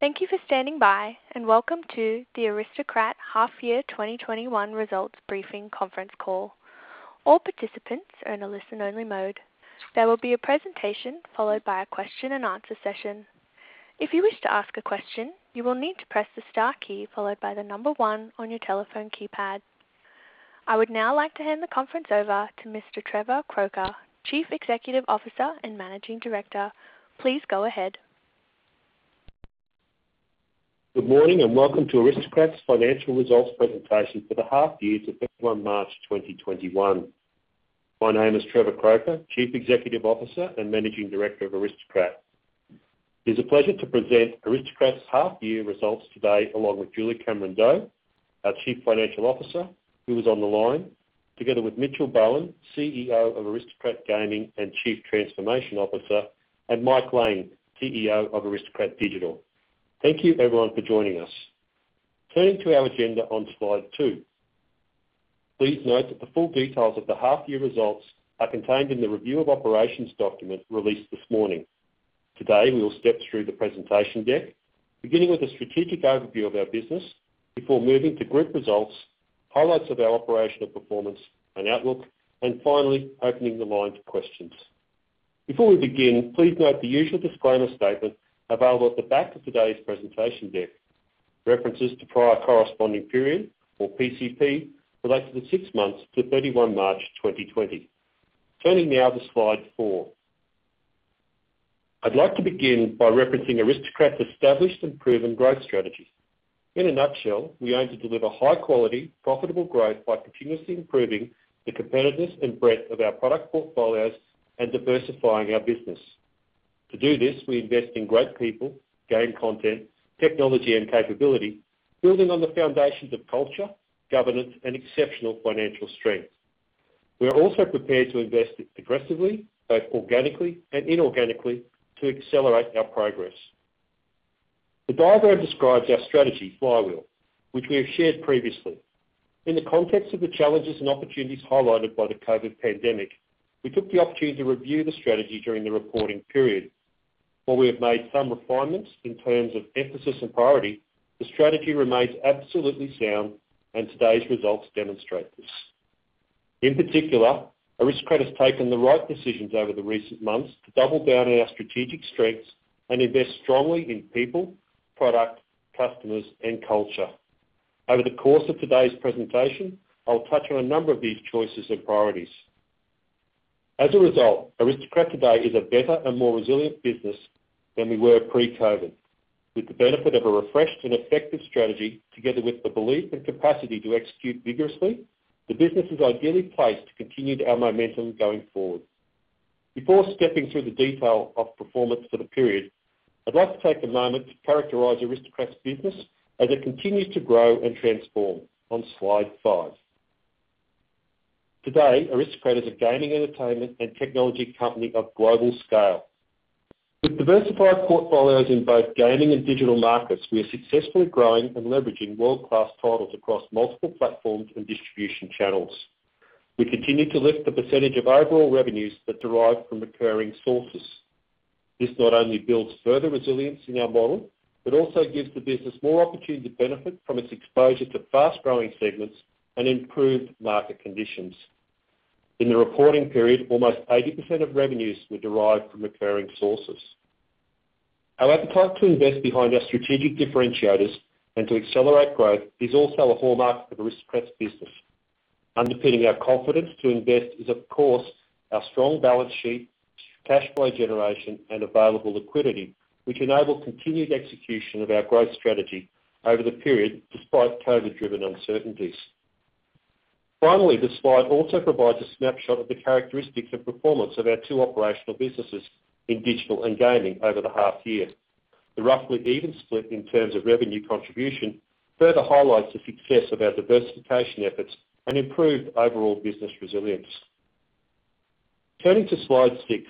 Thank you for standing by, welcome to the Aristocrat Half Year 2021 Results Briefing conference call. All participants are in a listen-only mode. There will be a presentation followed by a question and answer session. If you wish to ask a question, you will need to press the star key followed by the number one on your telephone keypad. I would now like to hand the conference over to Mr. Trevor Croker, Chief Executive Officer and Managing Director. Please go ahead. Good morning, and welcome to Aristocrat's financial results presentation for the half year to 31 March 2021. My name is Trevor Croker, Chief Executive Officer and Managing Director of Aristocrat. It is a pleasure to present Aristocrat's half year results today, along with Julie Cameron-Doe, our Chief Financial Officer, who is on the line. Together with Mitchell Bowen, CEO of Aristocrat Gaming and Chief Transformation Officer, and Mike Lang, CEO of Aristocrat Digital. Thank you, everyone, for joining us. Turning to our agenda on slide two. Please note that the full details of the half year results are contained in the review of operations document released this morning. Today, we will step through the presentation deck, beginning with a strategic overview of our business before moving to group results, highlights of our operational performance and outlook, and finally, opening the line for questions. Before we begin, please note the usual disclaimer statement available at the back of today's presentation deck. References to prior corresponding period or PCP relate to the six months to 31 March 2020. Turning now to slide four. I'd like to begin by referencing Aristocrat's established and proven growth strategy. In a nutshell, we aim to deliver high-quality, profitable growth by continuously improving the competitiveness and breadth of our product portfolios and diversifying our business. To do this, we invest in great people, game content, technology, and capability, building on the foundations of culture, governance, and exceptional financial strength. We are also prepared to invest aggressively, both organically and inorganically, to accelerate our progress. The diagram describes our strategy flywheel, which we have shared previously. In the context of the challenges and opportunities highlighted by the COVID pandemic, we took the opportunity to review the strategy during the reporting period. While we have made some refinements in terms of emphasis and priority, the strategy remains absolutely sound, and today's results demonstrate this. In particular, Aristocrat has taken the right decisions over the recent months to double down on our strategic strengths and invest strongly in people, product, customers, and culture. Over the course of today's presentation, I'll touch on a number of these choices and priorities. As a result, Aristocrat today is a better and more resilient business than we were pre-COVID. With the benefit of a refreshed and effective strategy together with the belief and capacity to execute vigorously, the business is ideally placed to continue our momentum going forward. Before stepping through the detail of performance for the period, I'd like to take a moment to characterize Aristocrat's business as it continues to grow and transform on slide five. Today, Aristocrat is a gaming, entertainment, and technology company of global scale. With diversified portfolios in both gaming and digital markets, we are successfully growing and leveraging world-class titles across multiple platforms and distribution channels. We continue to lift the percentage of overall revenues that derive from recurring sources. This not only builds further resilience in our model, but also gives the business more opportunity to benefit from its exposure to fast-growing segments and improved market conditions. In the reporting period, almost 80% of revenues were derived from recurring sources. Our appetite to invest behind our strategic differentiators and to accelerate growth is also a hallmark of Aristocrat's business. Underpinning our confidence to invest is, of course, our strong balance sheet, cash flow generation, and available liquidity, which enable continued execution of our growth strategy over the period, despite COVID-driven uncertainties. Finally, the slide also provides a snapshot of the characteristic and performance of our two operational businesses in Digital and Gaming over the half year. The roughly even split in terms of revenue contribution further highlights the success of our diversification efforts and improved overall business resilience. Turning to slide six.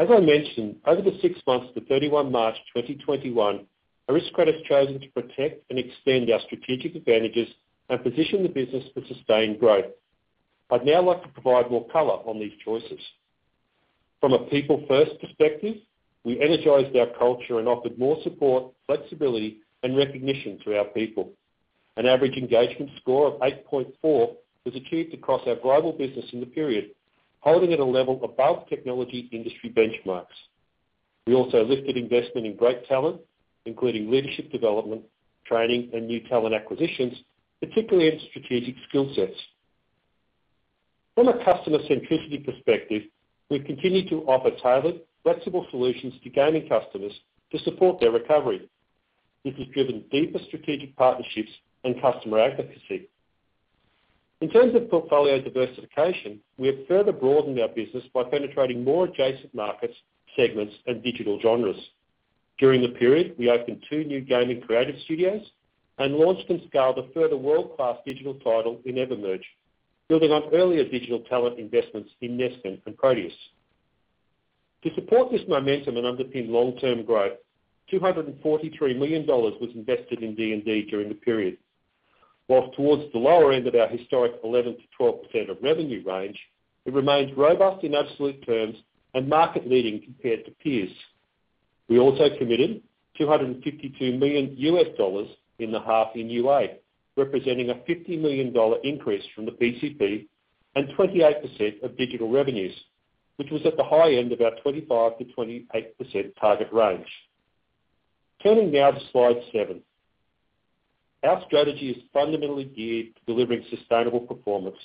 As I mentioned, over the six months to 31 March 2021, Aristocrat has chosen to protect and extend our strategic advantages and position the business for sustained growth. I'd now like to provide more color on these choices. From a people-first perspective, we energized our culture and offered more support, flexibility, and recognition to our people. An average engagement score of 8.4 was achieved across our global business in the period, holding at a level above technology industry benchmarks. We also lifted investment in great talent, including leadership development, training, and new talent acquisitions, particularly in strategic skill sets. From a customer centricity perspective, we continued to offer tailored, flexible solutions to gaming customers to support their recovery. This has driven deeper strategic partnerships and customer advocacy. In terms of portfolio diversification, we have further broadened our business by penetrating more adjacent markets, segments, and digital genres. During the period, we opened two new gaming creative studios and launched and scaled a further world-class digital title in EverMerge, building on earlier digital talent investments in Neskin and Proteus. To support this momentum and underpin long-term growth, 243 million dollars was invested in D&D during the period. While towards the lower end of our historic 11%-12% of revenue range, it remains robust in absolute terms and market-leading compared to peers. We also committed $252 million in the half in UA, representing a $50 million increase from the PCP and 28% of digital revenues, which was at the high end of our 25%-28% target range. Turning now to slide seven. Our strategy is fundamentally geared to delivering sustainable performance,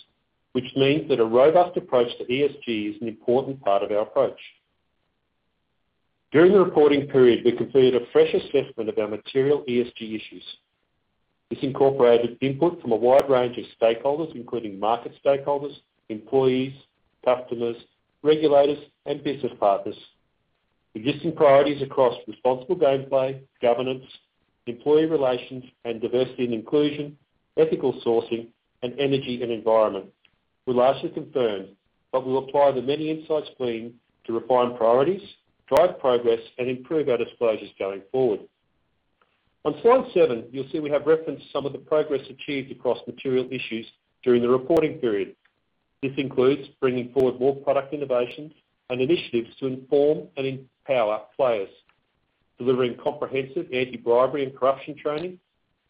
which means that a robust approach to ESG is an important part of our approach. During the reporting period, we completed a fresh assessment of our material ESG issues. This incorporated input from a wide range of stakeholders, including market stakeholders, employees, customers, regulators, and business partners. Existing priorities across responsible gameplay, governance, employee relations, and diversity and inclusion, ethical sourcing, and energy and environment, were largely confirmed, but we'll apply the many insights gleaned to refine priorities, drive progress, and improve our disclosures going forward. On slide seven, you'll see we have referenced some of the progress achieved across material issues during the reporting period. This includes bringing forward more product innovations and initiatives to inform and empower players, delivering comprehensive anti-bribery and corruption training,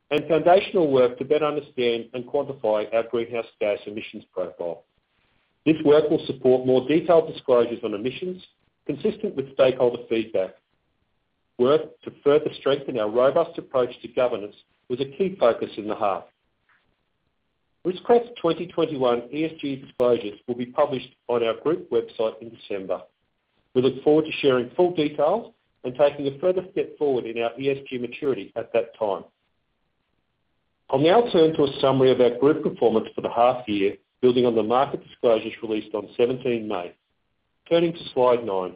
and foundational work to better understand and quantify our greenhouse gas emissions profile. This work will support more detailed disclosures on emissions consistent with stakeholder feedback. Work to further strengthen our robust approach to governance was a key focus in the half. Aristocrat's 2021 ESG disclosures will be published on our group website in December. We look forward to sharing full details and taking a further step forward in our ESG maturity at that time. I'll now turn to a summary of our group performance for the half year, building on the market disclosures released on 17 May. Turning to slide nine.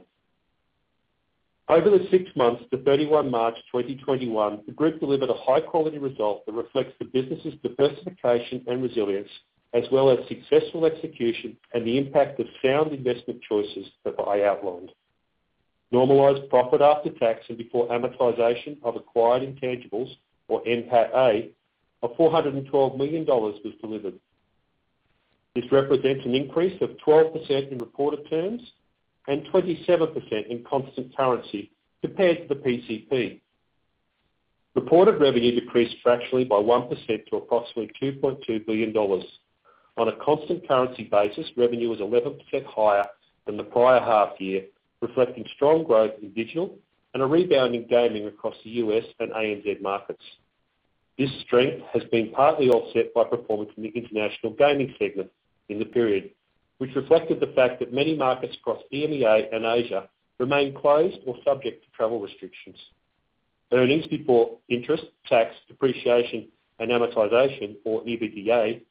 Over the six months to 31 March 2021, the group delivered a high-quality result that reflects the business's diversification and resilience, as well as successful execution and the impact of sound investment choices that I outlined. Normalized profit after tax and before amortization of acquired intangibles or NPATA of 412 million dollars was delivered. This represents an increase of 12% in reported terms and 27% in constant currency compared to the PCP. Reported revenue decreased fractionally by 1% to approximately 2.2 billion dollars. On a constant currency basis, revenue was 11% higher than the prior half year, reflecting strong growth in digital and a rebound in gaming across the U.S. and ANZ markets. This strength has been partly offset by performance in the international gaming segment in the period, which reflected the fact that many markets across EMEA and Asia remain closed or subject to travel restrictions. Earnings before interest, tax, depreciation, and amortization, or EBITDA,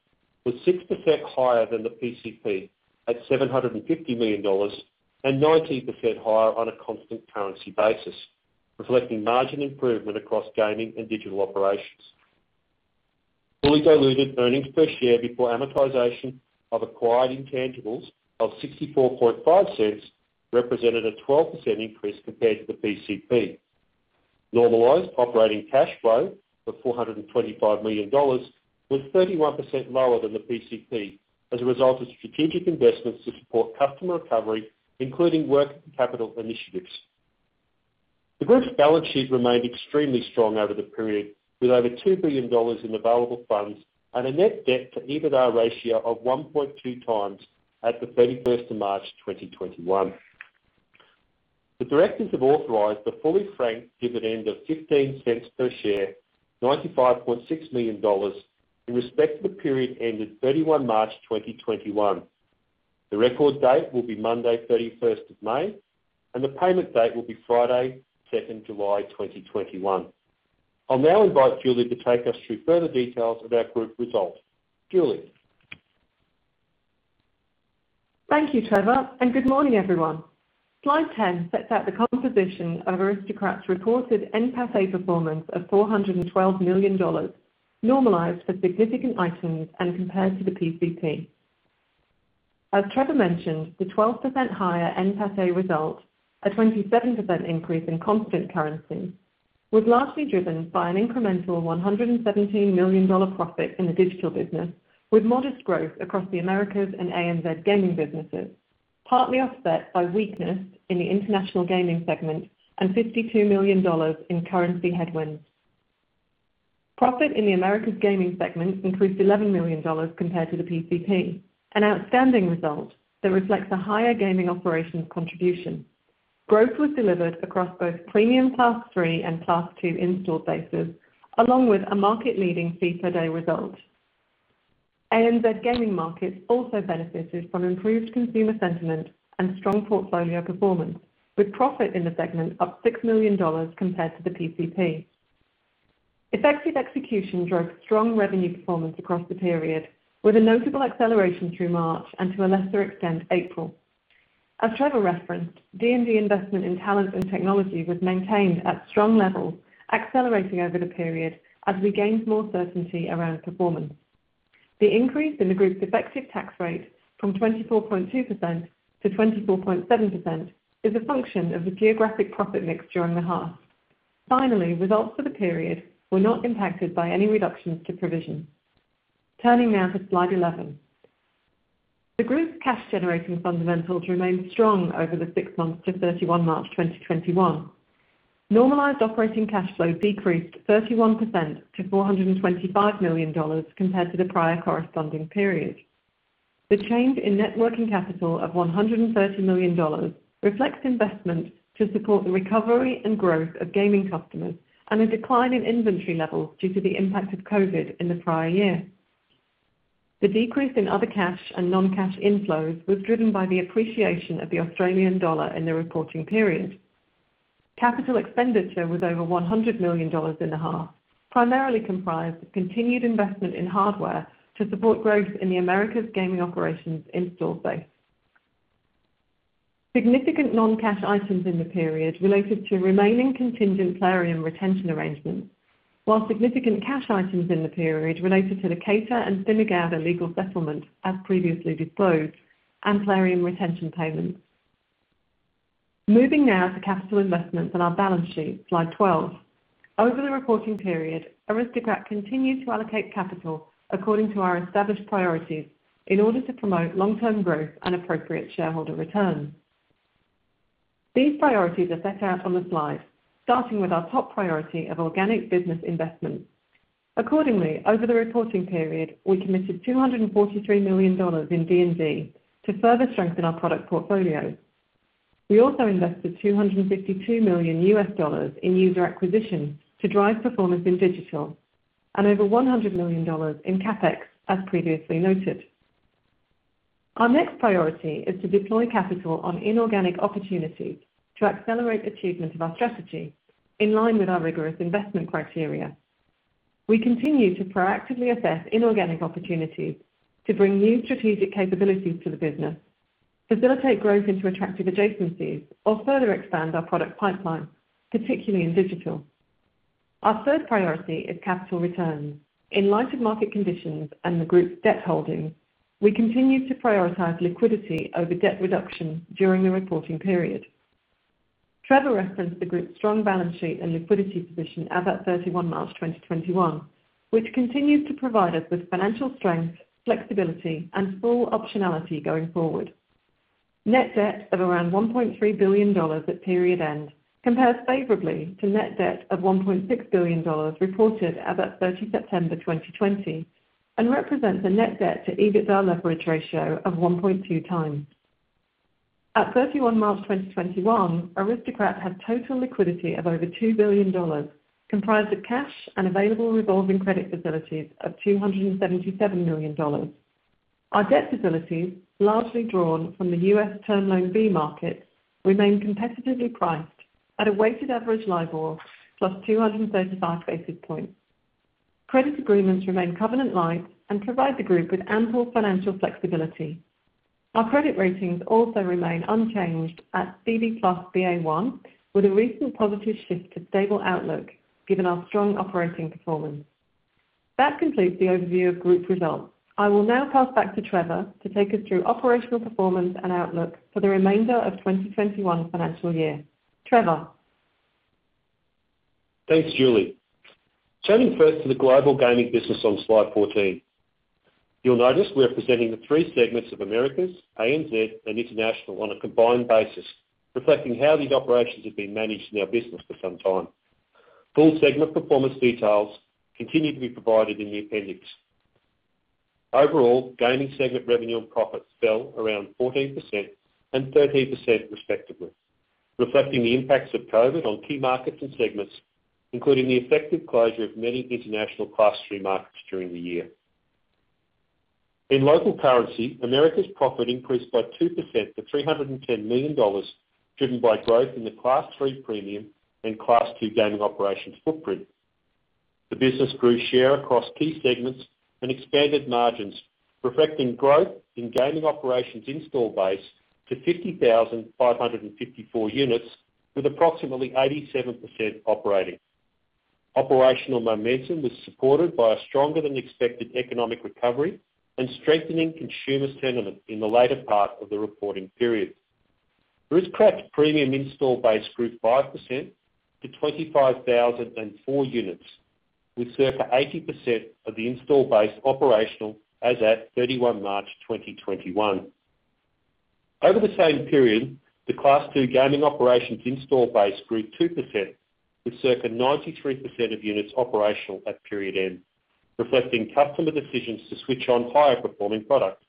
was 6% higher than the PCP at 750 million dollars and 19% higher on a constant currency basis, reflecting margin improvement across gaming and digital operations. Fully diluted earnings per share before amortization of acquired intangibles of 0.645 represented a 12% increase compared to the PCP. Normalized operating cash flow of 425 million dollars was 31% lower than the PCP as a result of strategic investments to support customer recovery, including working capital initiatives. The group's balance sheet remained extremely strong over the period, with over 2 billion dollars in available funds and a net debt to EBITDA ratio of 1.2x at the 31st of March 2021. The directors have authorized a fully franked dividend of 0.15 per share, 95.6 million dollars in respect of the period ended 31 March 2021. The record date will be Monday 31st of May, and the payment date will be Friday 2nd July 2021. I'll now invite Julie to take us through further details of our group results. Julie. Thank you, Trevor. Good morning, everyone. Slide 10 sets out the composition of Aristocrat's reported NPATA performance of $412 million, normalized for significant items and compared to the PCP. As Trevor mentioned, the 12% higher NPATA result, a 27% increase in constant currency, was largely driven by an incremental $117 million profit in the digital business, with modest growth across the Americas and ANZ gaming businesses, partly offset by weakness in the international gaming segment and $52 million in currency headwinds. Profit in the Americas gaming segment increased $11 million compared to the PCP, an outstanding result that reflects a higher gaming operations contribution. Growth was delivered across both premium Class III and Class II install bases, along with a market-leading fee per day result. ANZ gaming markets also benefited from improved consumer sentiment and strong portfolio performance, with profit in the segment up 6 million dollars compared to the PCP. Effective execution drove strong revenue performance across the period, with a notable acceleration through March and, to a lesser extent, April. As Trevor referenced, D&D investment in talent and technology was maintained at strong levels, accelerating over the period as we gained more certainty around performance. The increase in the group's effective tax rate from 24.2%-24.7% is a function of the geographic profit mix during the half. Finally, results for the period were not impacted by any reductions to provision. Turning now to slide 11. The group's cash-generating fundamentals remained strong over the six months to 31 March 2021. Normalized operating cash flow decreased 31% to 425 million dollars compared to the prior corresponding period. The change in net working capital of 130 million dollars reflects investments to support the recovery and growth of gaming customers and a decline in inventory levels due to the impact of COVID in the prior year. The decrease in other cash and non-cash inflows was driven by the appreciation of the Australian dollar in the reporting period. Capital expenditure was over 100 million dollars in the half, primarily comprised of continued investment in hardware to support growth in the Americas' gaming operations install base. Significant non-cash items in the period related to remaining contingent Plarium retention arrangements, while significant cash items in the period related to the Kater and Thimmegowda legal settlements, as previously disclosed, and Plarium retention payments. Moving now to capital investments and our balance sheet, slide 12. Over the reporting period, Aristocrat continued to allocate capital according to our established priorities in order to promote long-term growth and appropriate shareholder returns. These priorities are set out on the slide, starting with our top priority of organic business investments. Accordingly, over the reporting period, we committed 243 million dollars in D&D to further strengthen our product portfolio. We also invested AUD 252 million in user acquisition to drive performance in digital and over 100 million dollars in CapEx, as previously noted. Our next priority is to deploy capital on inorganic opportunities to accelerate the achievement of our strategy in line with our rigorous investment criteria. We continue to proactively assess inorganic opportunities to bring new strategic capabilities to the business, facilitate growth into attractive adjacencies, or further expand our product pipeline, particularly in digital. Our third priority is capital returns. In light of market conditions and the group's debt holding, we continued to prioritize liquidity over debt reduction during the reporting period. Trevor referenced the group's strong balance sheet and liquidity position as at 31 March 2021, which continues to provide us with financial strength, flexibility, and full optionality going forward. Net debt of around $1.3 billion at period end compares favorably to net debt of $1.6 billion reported as at 30 September 2020 and represents a net debt to EBITDA leverage ratio of 1.2x. At 31 March 2021, Aristocrat had total liquidity of over $2 billion, comprised of cash and available revolving credit facilities of $277 million. Our debt facilities, largely drawn from the US Term Loan B market, remain competitively priced at a weighted average LIBOR plus 235 basis points. Credit agreements remain covenant-lite and provide the group with ample financial flexibility. Our credit ratings also remain unchanged at BB+/Ba1, with a recent positive shift to stable outlook given our strong operating performance. That completes the overview of group results. I will now pass back to Trevor to take us through operational performance and outlook for the remainder of 2021 financial year. Trevor. Thanks, Julie. Turning first to the global gaming business on slide 14. You'll notice we are presenting the three segments of Americas, ANZ, and International on a combined basis, reflecting how these operations have been managed in our business for some time. Full segment performance details continue to be provided in the appendix. Overall, gaming segment revenue and profit fell around 14% and 13% respectively, reflecting the impacts of COVID on key markets and segments, including the effective closure of many international Class III markets during the year. In local currency, Americas profit increased by 2% to 310 million dollars, driven by growth in the Class III premium and Class II gaming operations footprint. The business grew share across key segments and expanded margins, reflecting growth in gaming operations install base to 50,554 units, with approximately 87% operating. Operational momentum was supported by a stronger-than-expected economic recovery and strengthening consumer sentiment in the latter part of the reporting period. Aristocrat's premium install base grew 5% to 25,004 units, with circa 80% of the install base operational as at 31 March 2021. Over the same period, the Class II gaming operations install base grew 2%, with circa 93% of units operational at period end, reflecting customer decisions to switch on higher-performing products.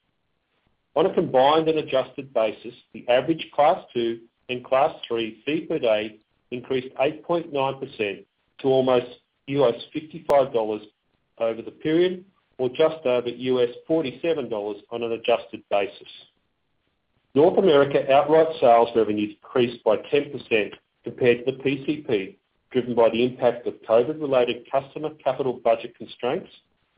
On a combined and adjusted basis, the average Class II and Class III fee per day increased 8.9% to almost 55 dollars over the period, or just over 47 dollars on an adjusted basis. North America outright sales revenue decreased by 10% compared to PCP, driven by the impact of COVID-related customer capital budget constraints.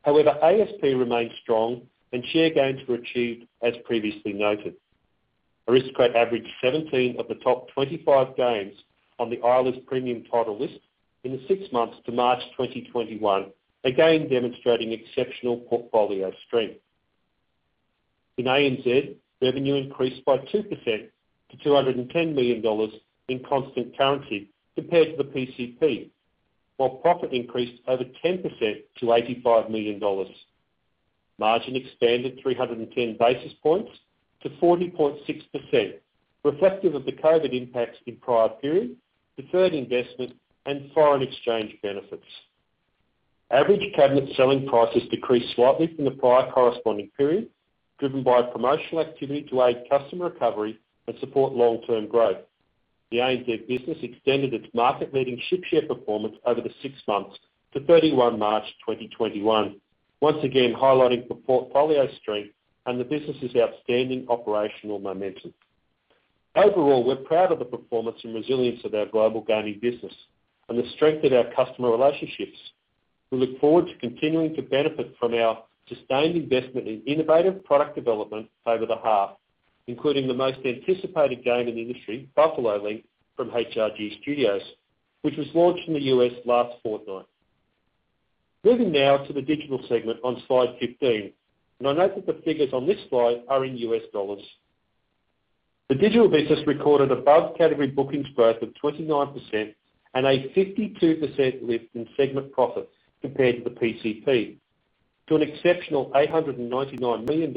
However, ASP remained strong and share gains were achieved, as previously noted. Aristocrat averaged 17 of the top 25 games on the Eilers & Krejcik Gaming premium title list in the six months to March 2021, again demonstrating exceptional portfolio strength. In ANZ, revenue increased by 2% to 210 million dollars in constant currency compared to the PCP, while profit increased over 10% to 85 million dollars. Margin expanded 310 basis points to 40.6%, reflective of the COVID impacts in prior periods, deferred investment, and foreign exchange benefits. Average cabinet selling prices decreased slightly from the prior corresponding period, driven by promotional activity to aid customer recovery and support long-term growth. The ANZ business extended its market-leading ship share performance over the six months to 31 March 2021. Once again, highlighting the portfolio strength and the business's outstanding operational momentum. Overall, we're proud of the performance and resilience of our global gaming business and the strength of our customer relationships. We look forward to continuing to benefit from our sustained investment in innovative product development over the half, including the most anticipated game in the industry, Buffalo Link, from HRG Studios, which was launched in the U.S. last fortnight. Moving now to the digital segment on slide fifteen. I note that the figures on this slide are in U.S. dollars. The digital business recorded above-category bookings growth of 29% and a 52% lift in segment profits compared to the PCP to an exceptional $899 million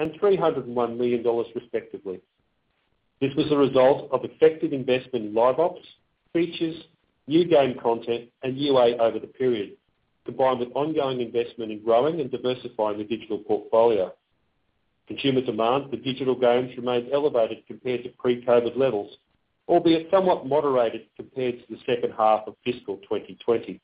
and $301 million respectively. This was a result of effective investment in Live Ops, features, new game content, and UA over the period, combined with ongoing investment in growing and diversifying the digital portfolio. Consumer demand for digital games remained elevated compared to pre-COVID levels, albeit somewhat moderated compared to the second half of fiscal 2020.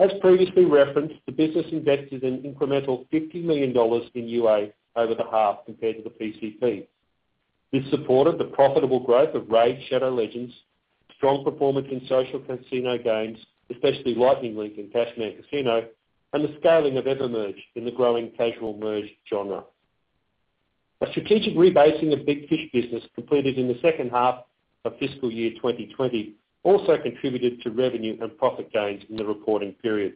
As previously referenced, the business invested an incremental $50 million in UA over the half compared to the PCP. This supported the profitable growth of RAID: Shadow Legends, strong performance in social casino games, especially Lightning Link and Cashman Casino, and the scaling of EverMerge in the growing casual merge genre. A strategic rebasing of Big Fish business completed in the second half of fiscal year 2020 also contributed to revenue and profit gains in the reporting period.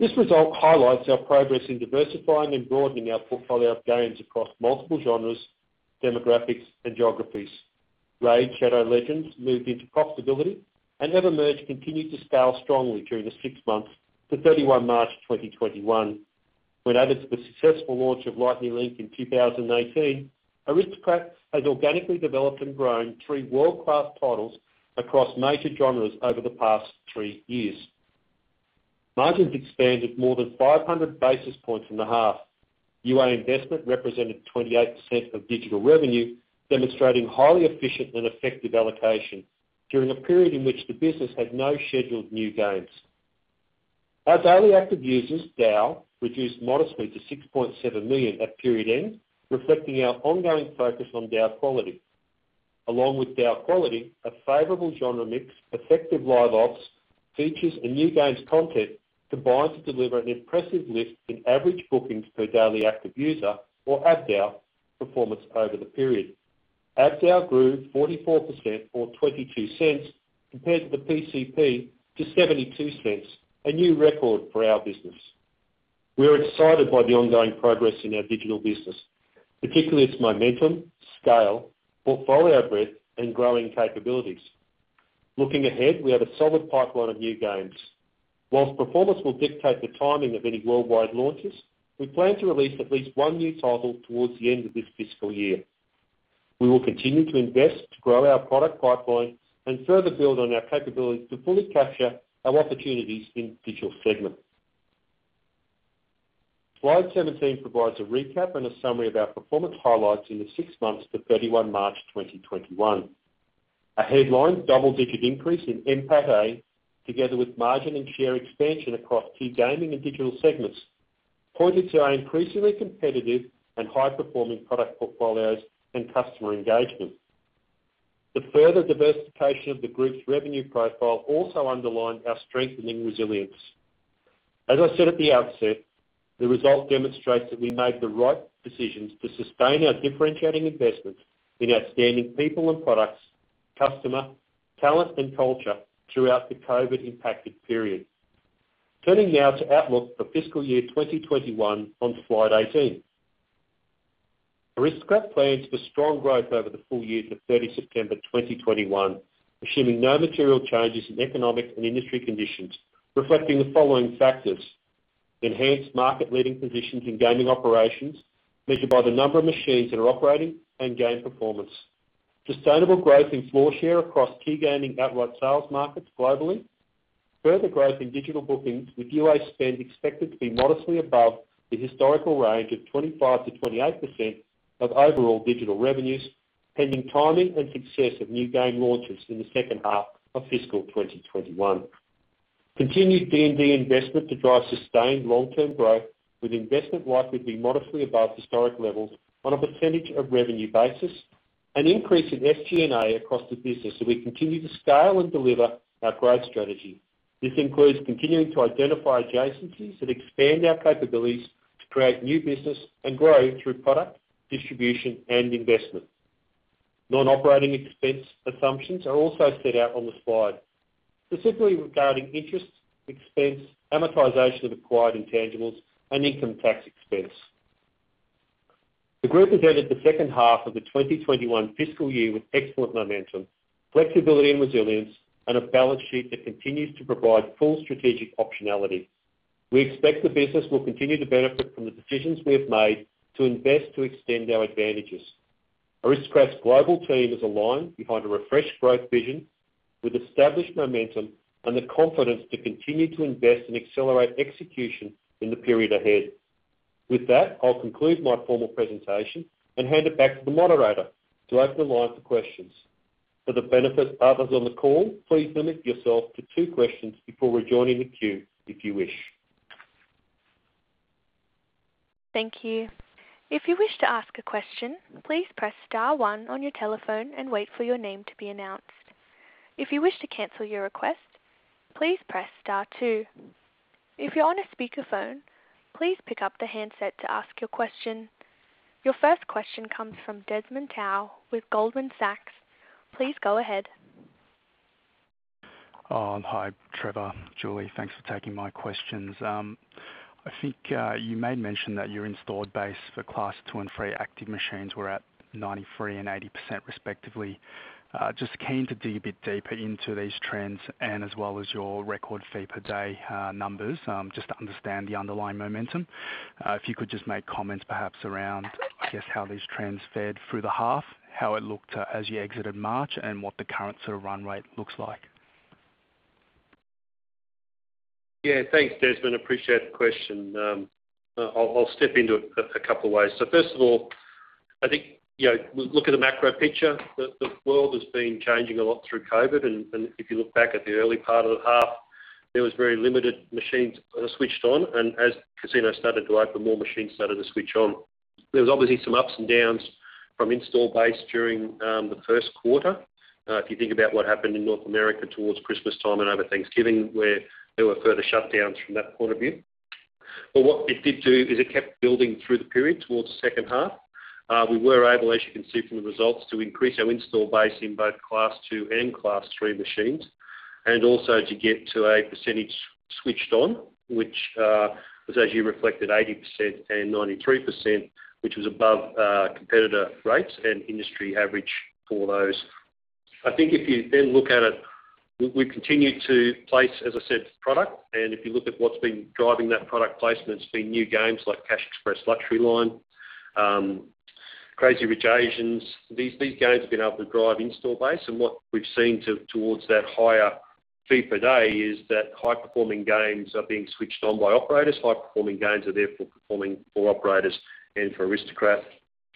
This result highlights our progress in diversifying and broadening our portfolio of games across multiple genres, demographics, and geographies. RAID: Shadow Legends moved into profitability, and EverMerge continued to scale strongly during the six months to 31 March 2021. When added to the successful launch of Lightning Link in 2018, Aristocrat has organically developed and grown three world-class titles across major genres over the past three years. Margins expanded more than 500 basis points in the half. UA investment represented 28% of digital revenue, demonstrating highly efficient and effective allocation during a period in which the business had no scheduled new games. Our daily active users, DAU, reduced modestly to 6.7 million at period end, reflecting our ongoing focus on DAU quality. Along with DAU quality, a favorable genre mix, effective Live Ops, features, and new games content combined to deliver an impressive lift in average bookings per daily active user, or ADAU, performance over the period. ADAU grew 44%, or 0.22, compared to the PCP, to 0.72, a new record for our business. We are excited by the ongoing progress in our digital business, particularly its momentum, scale, portfolio breadth, and growing capabilities. Looking ahead, we have a solid pipeline of new games. Whilst performance will dictate the timing of any worldwide launches, we plan to release at least one new title towards the end of this fiscal year. We will continue to invest to grow our product pipeline and further build on our capabilities to fully capture our opportunities in digital segments. Slide 17 provides a recap and a summary of our performance highlights in the six months to 31 March 2021. A headline double-digit increase in NPATA, together with margin and share expansion across key gaming and digital segments, pointed to our increasingly competitive and high-performing product portfolios and customer engagement. The further diversification of the group's revenue profile also underlined our strengthening resilience. As I said at the outset, the result demonstrates that we made the right decisions to sustain our differentiating investments in outstanding people and products, customer, talent, and culture throughout the COVID-impacted period. Turning now to outlook for fiscal year 2021 on slide 18. Aristocrat plans for strong growth over the full year to 30 September 2021, assuming no material changes in economic and industry conditions, reflecting the following factors. Enhanced market-leading positions in gaming operations, measured by the number of machines that are operating and game performance. Sustainable growth in floor share across key gaming outright sales markets globally. Further growth in digital bookings, with UA spend expected to be modestly above the historical range of 25%-28% of overall digital revenues, pending timing and success of new game launches in the second half of fiscal 2021. Continued D&D investment to drive sustained long-term growth with investment likely to be modestly above historic levels on a percentage of revenue basis. An increase in SG&A across the business as we continue to scale and deliver our growth strategy. This includes continuing to identify adjacencies that expand our capabilities to create new business and grow through product, distribution, and investment. Non-operating expense assumptions are also set out on the slide, specifically regarding interest expense, amortization of acquired intangibles, and income tax expense. The group entered the second half of the 2021 fiscal year with excellent momentum, flexibility and resilience, and a balance sheet that continues to provide full strategic optionality. We expect the business will continue to benefit from the decisions we've made to invest to extend our advantages. Aristocrat's global team is aligned behind a refreshed growth vision with established momentum and the confidence to continue to invest and accelerate execution in the period ahead. With that, I'll conclude my formal presentation and hand it back to the moderator to open the line for questions. For the benefit of others on the call, please limit yourself to two questions before rejoining the queue if you wish. Thank you. If you wish to ask a question, please press star one on your telephone and wait for your name to be announced. If you wish to cancel your request, please press star two. If you're on a speakerphone, please pick up the handset to ask your question. Your first question comes from Desmond Tsao with Goldman Sachs. Please go ahead. Hi, Trevor, Julie, thanks for taking my questions. I think you may mention that your installed base for Class II and III active machines were at 93% and 80% respectively. Keen to dig a bit deeper into these trends and as well as your record fee per day numbers, just to understand the underlying momentum. If you could just make comments perhaps around just how these trends fared through the half, how it looked as you exited March, and what the current sort of runway looks like. Yeah. Thanks, Desmond. Appreciate the question. I'll step into it a couple ways. First of all, I think, we look at the macro picture. The world has been changing a lot through COVID. If you look back at the early part of the half, there was very limited machines that are switched on. As casinos started to open, more machines started to switch on. There's obviously some ups and downs from install base during the first quarter. If you think about what happened in North America towards Christmas time and over Thanksgiving, where there were further shutdowns from that point of view. What it did do is it kept building through the period towards the second half. We were able, as you can see from the results, to increase our install base in both Class II and Class III machines, also to get to a percentage switched on, which was actually reflected 80% and 93%, which was above competitor rates and industry average for those. I think if you then look at it, we continued to place, as I said, product. If you look at what's been driving that product placement, it's been new games like Cash Express Luxury Line, Crazy Rich Asians. These games have been able to drive install base. What we've seen towards that higher fee per day is that high-performing games are being switched on by operators. High-performing games are therefore performing for operators and for Aristocrat.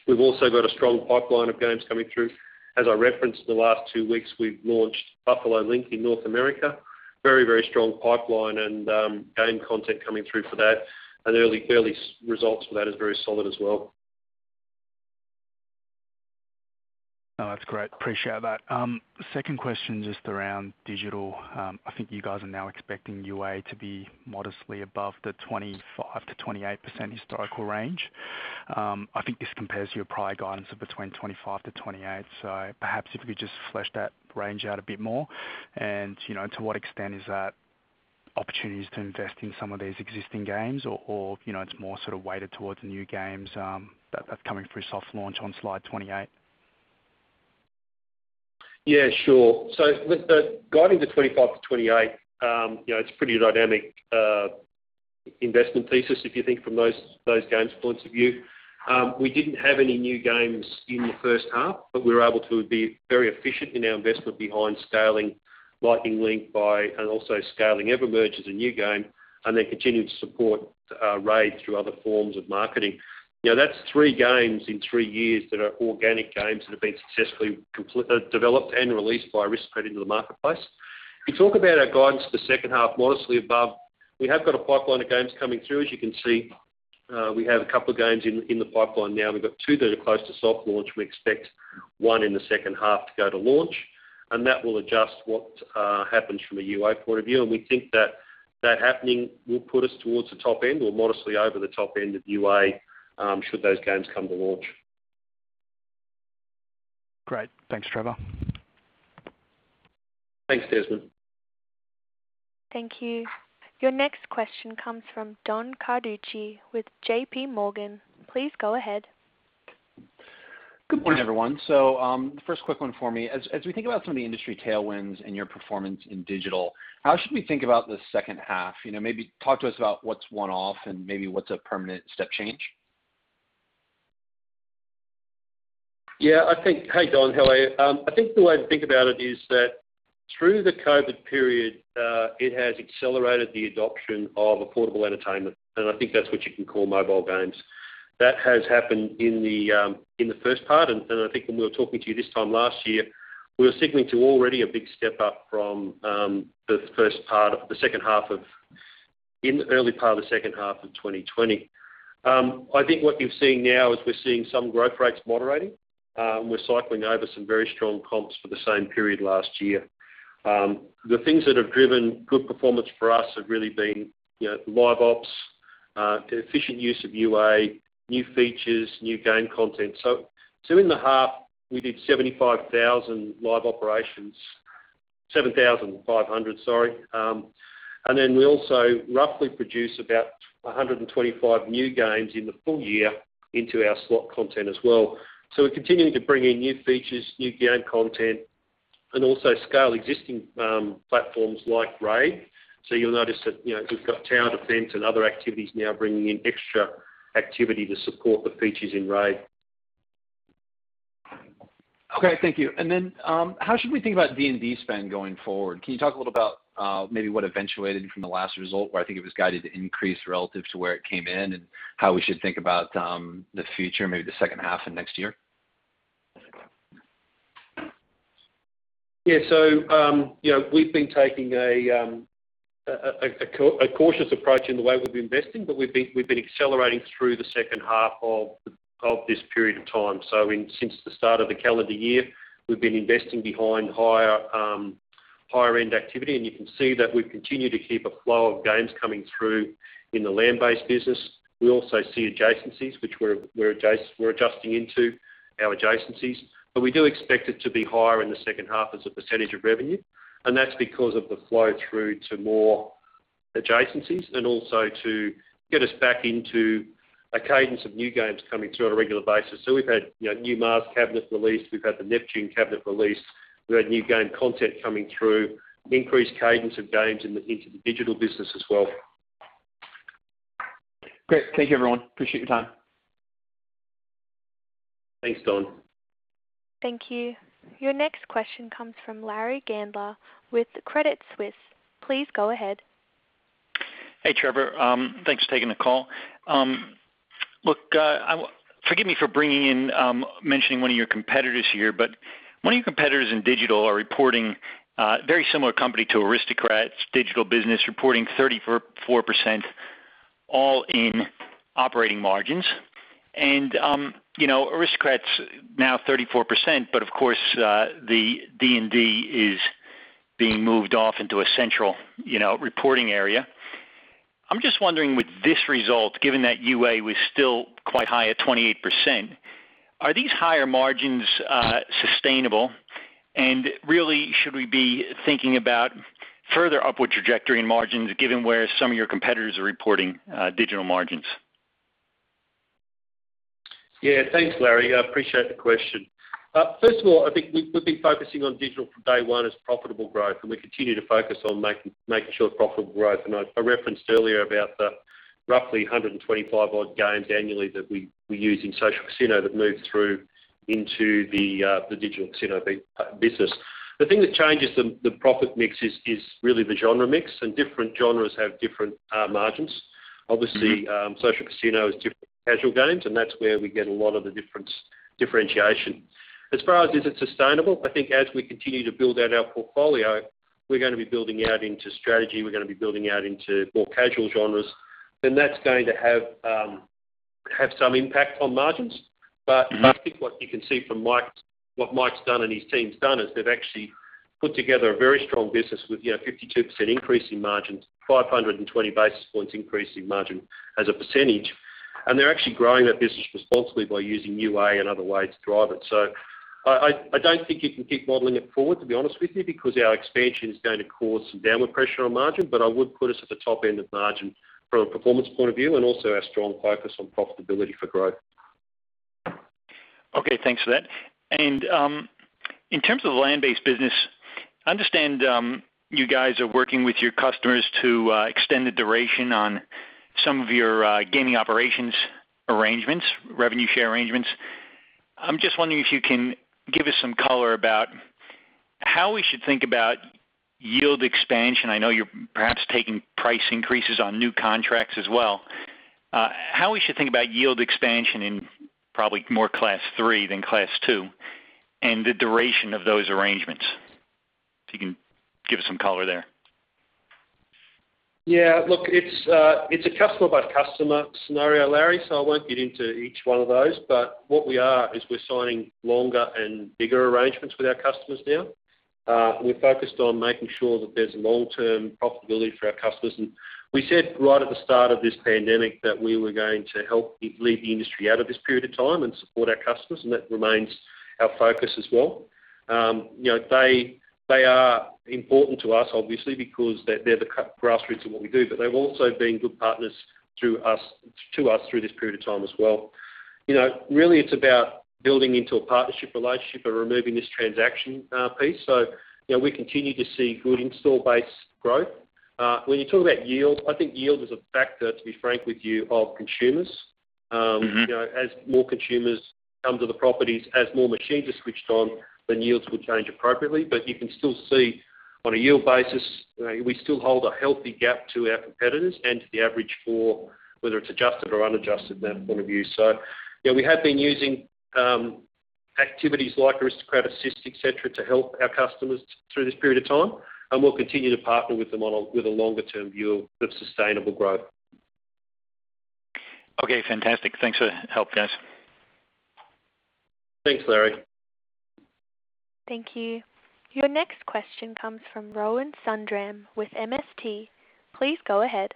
We've also got a strong pipeline of games coming through. As I referenced, in the last two weeks, we've launched Buffalo Link in North America. Very, very strong pipeline and game content coming through for that. The early results for that is very solid as well. That's great. Appreciate that. Second question, just around digital. I think you guys are now expecting UA to be modestly above the 25%-28% historical range. I think this compares to your prior guidance of between 25%-28%. Perhaps if you could just flesh that range out a bit more and to what extent is that opportunities to invest in some of these existing games or it's more sort of weighted towards the new games that are coming through soft launch on slide 28? With the guiding to 25%-28%, it is a pretty dynamic investment thesis, if you think from those games' points of view. We didn't have any new games in the first half, but we were able to be very efficient in our investment behind scaling Lightning Link and also scaling EverMerge as a new game, and then continuing to support RAID through other forms of marketing. That's three games in three years that are organic games that have been successfully developed and released by Aristocrat into the marketplace. If you talk about our guidance for the second half, modestly above, we have got a pipeline of games coming through. As you can see, we have a couple of games in the pipeline now. We've got two that are close to soft launch. We expect one in the second half to go to launch, and that will adjust what happens from a UA point of view. We think that that happening will put us towards the top end or modestly over the top end of UA, should those games come to launch. Great. Thanks, Trevor. Thanks, Desmond. Thank you. Your next question comes from Don Carducci with JPMorgan. Please go ahead. Good morning, everyone. First quick one for me. As we think about some of the industry tailwinds and your performance in digital, how should we think about the second half? Maybe talk to us about what's one-off and maybe what's a permanent step change. Yeah, I think Hey, Don. How are you? I think the way to think about it is that through the COVID period, it has accelerated the adoption of affordable entertainment, and I think that's what you can call mobile games. That has happened in the first part. I think when we were talking to you this time last year, we were signaling to already a big step-up from the early part of the second half of 2020. I think what you're seeing now is we're seeing some growth rates moderating. We're cycling over some very strong comps for the same period last year. The things that have driven good performance for us have really been Live Ops, efficient use of UA, new features, new game content. In the half, we did 75,000 live operations, 7,500, sorry. We also roughly produce about 125 new games in the full year into our slot content as well. We're continuing to bring in new features, new game content, and also scale existing platforms like RAID. You'll notice that, we've got Tower Defense and other activities now bringing in extra activity to support the features in RAID. Okay. Thank you. How should we think about D&D spend going forward? Can you talk a little about maybe what eventuated from the last result where I think it was guided to increase relative to where it came in and how we should think about the future, maybe the second half of next year? We've been taking a cautious approach in the way we've been investing, but we've been accelerating through the second half of this period of time. Since the start of the calendar year, we've been investing behind higher-end activity, and you can see that we continue to keep a flow of games coming through in the land-based business. We also see adjacencies, which we're adjusting into our adjacencies. We do expect it to be higher in the second half as a percentage of revenue, and that's because of the flow through to more adjacencies and also to get us back into a cadence of new games coming through on a regular basis. We've had new MarsX cabinet release, we've had the Neptune cabinet release, we've had new game content coming through, increased cadence of games into the digital business as well. Great. Thank you, everyone. Appreciate your time. Thanks, Don. Thank you. Your next question comes from Larry Gandler with Credit Suisse. Please go ahead. Hey, Trevor. Thanks for taking the call. Look, forgive me for mentioning one of your competitors here, one of your competitors in digital are reporting, very similar company to Aristocrat's digital business, reporting 34% all-in operating margins. Aristocrat's now 34%, of course, the D&D is being moved off into a central reporting area. I'm just wondering with this result, given that UA was still quite high at 28%, are these higher margins sustainable? Really, should we be thinking about further upward trajectory margins given where some of your competitors are reporting digital margins? Yeah. Thanks, Larry. I appreciate the question. First of all, I think we've been focusing on Digital from day one as profitable growth, and we continue to focus on making sure profitable growth. I referenced earlier about the roughly 125 odd games annually that we use in social casino that move through into the digital casino business. The thing that changes the profit mix is really the genre mix, and different genres have different margins. Obviously, social casino is different than casual games, and that's where we get a lot of the differentiation. As far as is it sustainable, I think as we continue to build out our portfolio, we're going to be building out into strategy, we're going to be building out into more casual genres. That's going to have some impact on margins. I think what you can see from what Mike's done and his team's done is they've actually put together a very strong business with 52% increase in margins, 520 basis points increase in margin as a percentage. They're actually growing that business responsibly by using UA and other ways to drive it. I don't think you can keep modeling it forward, to be honest with you, because our expansion is going to cause some downward pressure on margin, but I would put us at the top end of margin from a performance point of view, and also our strong focus on profitability for growth. Okay, thanks for that. In terms of the land-based business, I understand you guys are working with your customers to extend the duration on some of your gaming operations arrangements, revenue share arrangements. I'm just wondering if you can give us some color about how we should think about yield expansion. I know you're perhaps taking price increases on new contracts as well. How we should think about yield expansion in probably more Class III than Class II and the duration of those arrangements. If you can give some color there. Yeah, look, it's a customer-by-customer scenario, Larry. I won't get into each one of those. What we are, is we're signing longer and bigger arrangements with our customers now. We're focused on making sure that there's long-term profitability for our customers. We said right at the start of this pandemic that we were going to help lead the industry out of this period of time and support our customers, and that remains our focus as well. They are important to us, obviously, because they're the grassroots of what we do. They've also been good partners to us through this period of time as well. Really, it's about building into a partnership relationship and removing this transaction piece. We continue to see good install-based growth. When you're talking about yield, I think yield is a factor, to be frank with you, of consumers. As more consumers come to the properties, as more machines are switched on, then yields will change appropriately. You can still see on a yield basis, we still hold a healthy gap to our competitors and to the average for whether it's adjusted or unadjusted from that point of view. We have been using activities like Aristocrat Assist, et cetera, to help our customers through this period of time, and we'll continue to partner with them with a longer-term view of sustainable growth. Okay, fantastic. Thanks for the help, Don. Thanks, Larry. Thank you. Your next question comes from Rohan Sundram with MST Marquee. Please go ahead.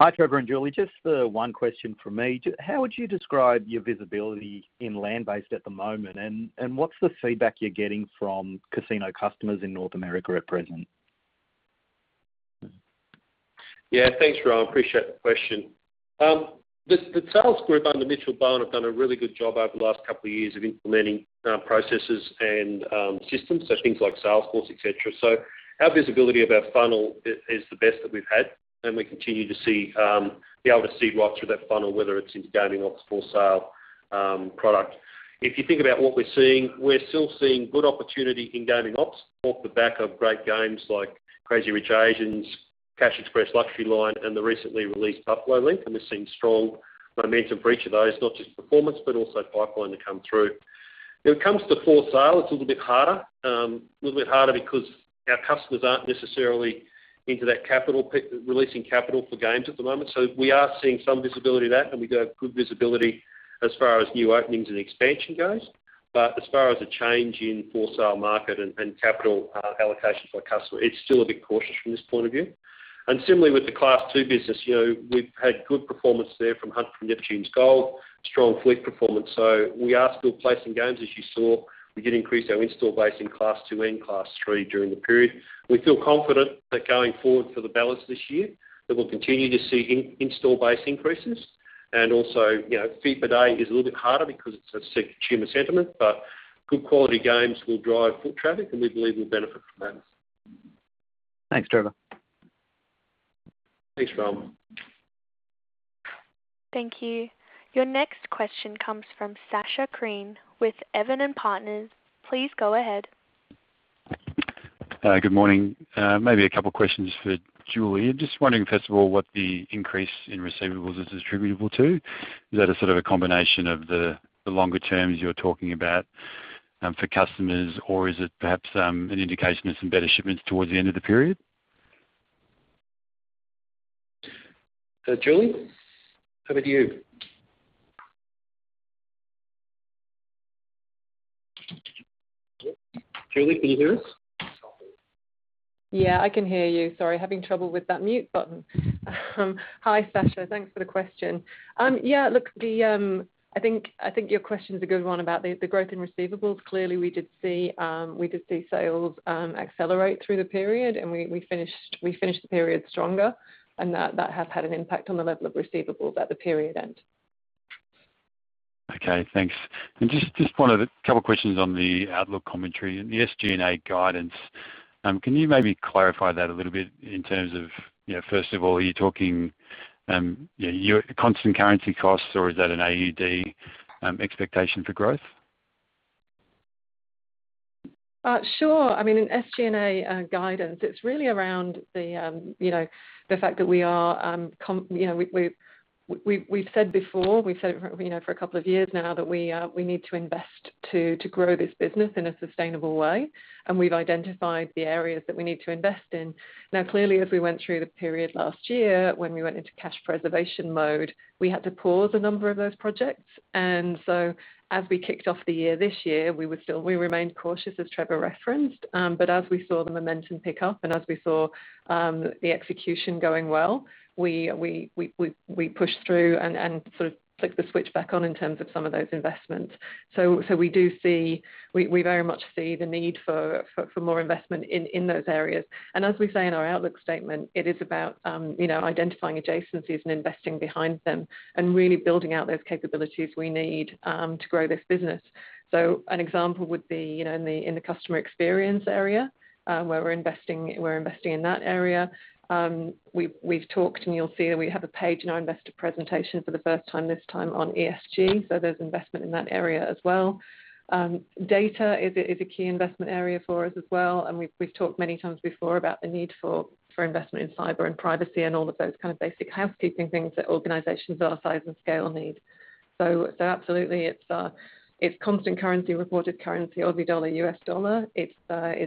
Hi, Trevor and Julie. Just one question from me. How would you describe your visibility in land base at the moment, and what's the feedback you're getting from casino customers in North America at present? Yeah, thanks, Rohan. Appreciate the question. The sales group under Mitchell Bowen have done a really good job over the last couple of years of implementing processes and systems, so things like Salesforce, et cetera. Our visibility of our funnel is the best that we've had, and we continue to be able to see rights through that funnel, whether it's in gaming ops, floor share, product. If you think about what we're seeing, we're still seeing good opportunity in gaming ops off the back of great games like Crazy Rich Asians, Cash Express Luxury Line, and the recently released Buffalo Link. We're seeing strong momentum for each of those, not just performance, but also pipeline to come through. When it comes to floor share, it's a little bit harder. A little bit harder because our customers aren't necessarily into that releasing capital for games at the moment. We are seeing some visibility of that, and we have good visibility as far as new openings and expansion goes. As far as a change in floor share market and capital allocations by customer, it's still a bit cautious from this point of view. Similarly, with the Class II business. We've had good performance there from The Hunt for Neptune's Gold, strong fleet performance. We are still placing games, as you saw. We did increase our install base in Class II and Class III during the period. We feel confident that going forward for the balance this year, that we'll continue to see install base increases, and also fee per day is a little bit harder because it's a consumer sentiment, but good quality games will drive foot traffic, and we believe will benefit from that. Thanks, Trevor. Thanks, Rohan. Thank you. Your next question comes from Sacha Krien with Evans & Partners. Please go ahead. Good morning. Maybe a couple questions for Julie. I'm just wondering, first of all, what the increase in receivables is attributable to. Is that a sort of a combination of the longer terms you're talking about for customers, or is it perhaps an indication of some better shipments towards the end of the period? Julie, over to you. Julie, are you there? Yeah, I can hear you. Sorry, having trouble with that mute button. Hi, Sacha. Thanks for the question. Yeah, look, I think your question is a good one about the growth in receivables. Clearly, we did see sales accelerate through the period, and we finished the period stronger, and that has had an impact on the level of receivables at the period end. Okay, thanks. Just a couple of questions on the outlook commentary and the SG&A guidance. Can you maybe clarify that a little bit in terms of, first of all, are you talking your constant currency costs, or is that an AUD expectation for growth? Sure. In SG&A guidance, it's really around the fact that we said before, we've said it for a couple of years now, that we need to invest to grow this business in a sustainable way. We've identified the areas that we need to invest in. Clearly, as we went through the period last year, when we went into cash preservation mode, we had to pause a number of those projects. As we kicked off the year this year, we remained cautious, as Trevor referenced. As we saw the momentum pick up and as we saw the execution going well, we pushed through and sort of flicked the switch back on in terms of some of those investments. We very much see the need for more investment in those areas. As we say in our outlook statement, it is about identifying adjacencies and investing behind them and really building out those capabilities we need to grow this business. An example would be in the customer experience area, where we're investing in that area. We've talked and you'll see we have a page in our investor presentation for the first time this time on ESG, so there's investment in that area as well. Data is a key investment area for us as well, and we've talked many times before about the need for investment in cyber and privacy and all of those kind of basic housekeeping things that organizations of our size and scale need. Absolutely, it's constant currency, reported currency, Aussie dollar, US dollar. It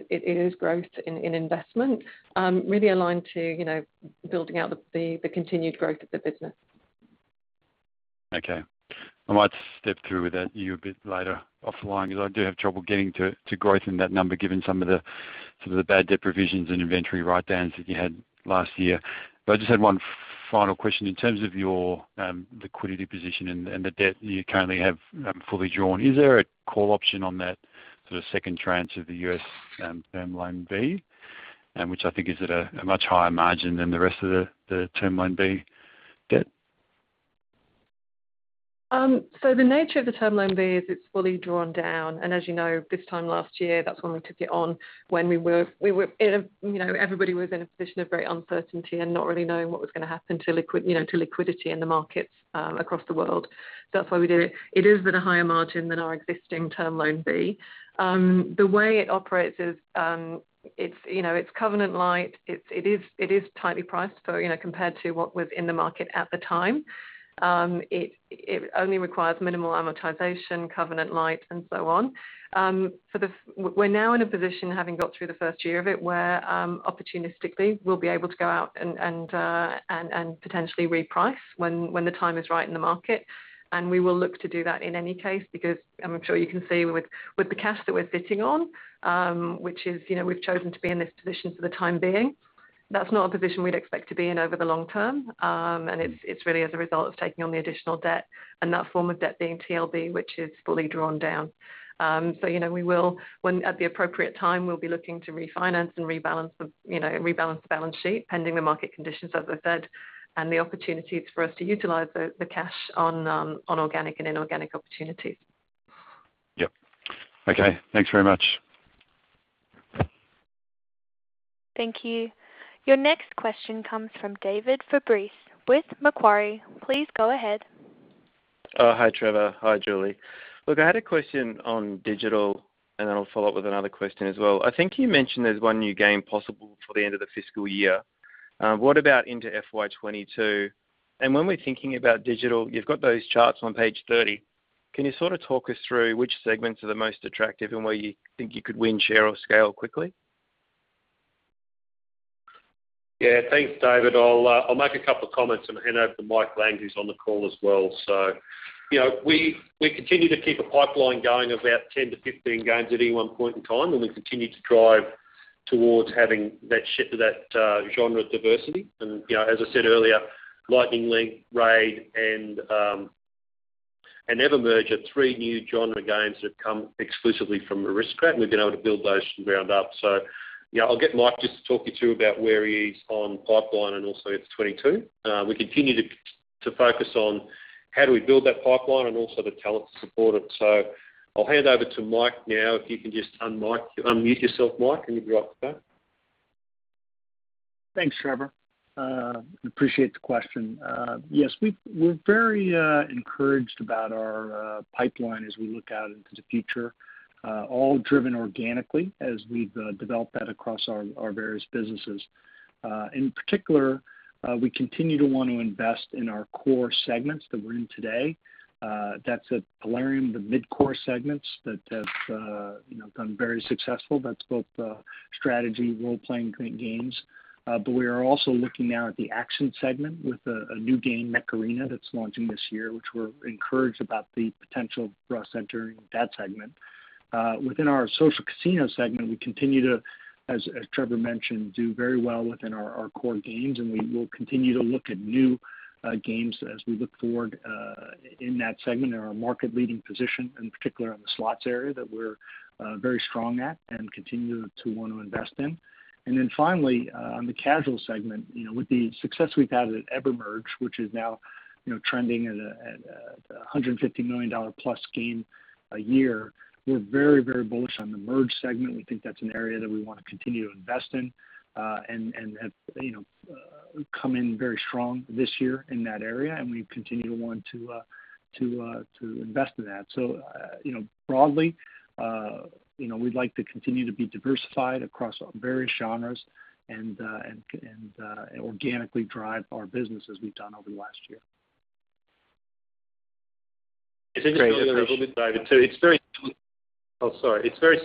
is growth in investment, really aligned to building out the continued growth of the business. Okay. I might just step through with you a bit later offline, because I do have trouble getting to growth in that number, given some of the bad debt provisions and inventory write-downs that you had last year. I just had one final question. In terms of your liquidity position and the debt that you currently have fully drawn, is there a call option on that sort of second tranche of the U.S. Term Loan B, which I think is at a much higher margin than the rest of the Term Loan B debt? The nature of the Term Loan B is it's fully drawn down. As you know, this time last year, that's when we took it on, when everybody was in a position of very uncertainty and not really knowing what was going to happen to liquidity in the markets across the world. That's why we did it. It is at a higher margin than our existing Term Loan B. The way it operates is, it's covenant-lite. It is tightly priced compared to what was in the market at the time. It only requires minimal amortization, covenant-lite, and so on. We're now in a position, having got through the first year of it, where opportunistically we'll be able to go out and potentially reprice when the time is right in the market. We will look to do that in any case, because I'm sure you can see with the cash that we're sitting on, which is we've chosen to be in this position for the time being. That's not a position we'd expect to be in over the long term. It's really as a result of taking on the additional debt and that form of debt being TLB, which is fully drawn down. At the appropriate time, we'll be looking to refinance and rebalance the balance sheet pending the market conditions, like we said, and the opportunity for us to utilize the cash on organic and inorganic opportunities. Yep. Okay, thanks very much. Thank you. Your next question comes from David Fabris with Macquarie. Please go ahead. Hi, Trevor. Hi, Julie. Look, I had a question on digital, and I'll follow up with another question as well. I think you mentioned there's one new game possible for the end of the fiscal year. What about into FY 2022? When we're thinking about digital, you've got those charts on page 30. Can you sort of talk us through which segments are the most attractive and where you think you could win, share, or scale quickly? Thanks, David Fabris. I'll make a couple of comments and hand over to Mike Lang, who's on the call as well. We continue to keep a pipeline going of about 10-15 games at any one point in time, and we continue to drive towards having that shift to that genre diversity. As I said earlier, Lightning Link, RAID, and EverMerge are three new genre games that come explicitly from Aristocrat. We've been able to build those from ground up. I'll get Mike just to talk you through about where he is on pipeline and also FY 2022. We continue to focus on how do we build that pipeline and also the talent to support it. I'll hand over to Mike now. If you can just unmute yourself, Mike, and you're up. Thanks, Trevor. Appreciate the question. Yes, we're very encouraged about our pipeline as we look out into the future, all driven organically as we've developed that across our various businesses. In particular, we continue to want to invest in our core segments that we're in today. That's at Plarium, the mid-core segments that have done very successful. That's both the strategy, role-playing kind of games. We are also looking now at the action segment with a new game, "Mech Arena," that's launching this year, which we're encouraged about the potential of us entering that segment. Within our social casino segment, we continue to, as Trevor mentioned, do very well within our core games, and we will continue to look at new games as we look forward in that segment. In our market-leading position, in particular in the slots area, that we're very strong at and continue to want to invest in. Finally, on the casual segment, with the success we've had at EverMerge, which is now trending at an 150 million dollar-plus game a year, we're very bullish on the Merge segment. We think that's an area that we want to continue to invest in and have come in very strong this year in that area, and we continue to want to invest in that. Broadly, we'd like to continue to be diversified across our various genres and organically drive our business as we've done over the last year. It's very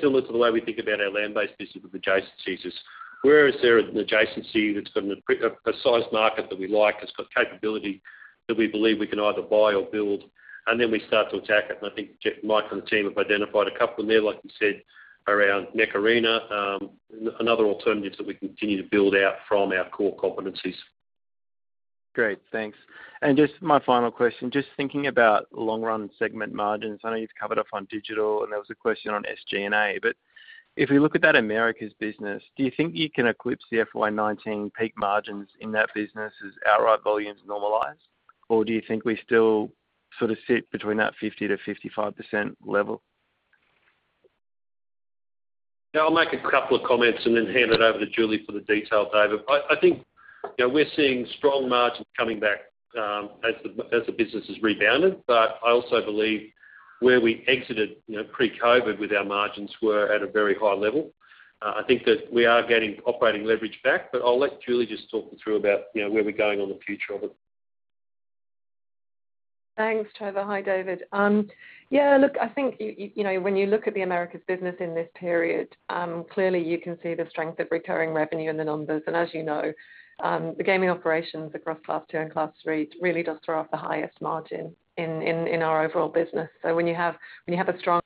similar to the way we think about our land-based business with adjacencies. Where is there an adjacency that's got a precise market that we like, it's got capability that we believe we can either buy or build, and then we start to attack it. I think Mike and the team have identified a couple in there, like you said, around Mech Arena, another alternative that we continue to build out from our core competencies. Great, thanks. Just my final question, just thinking about long-run segment margins. I know you've covered it on digital, and there was a question on SG&A. If we look at that Americas business, do you think you can eclipse the FY 2019 peak margins in that business as outright volumes normalize? Or do you think we still sort of sit between that 50%-55% level? I'll make a couple of comments and then hand it over to Julie for the detail, David. I think we're seeing strong margins coming back as the business has rebounded. I also believe where we exited pre-COVID with our margins were at a very high level. I think that we are getting operating leverage back, but I'll let Julie just talk you through about where we're going on the future of it. Thanks, Trevor. Hi, David. Yeah, look, I think when you look at the Americas business in this period, clearly you can see the strength of recurring revenue in the numbers. As you know, the gaming operations across Class II and Class III really does throw off the highest margin in our overall business. When you have a strong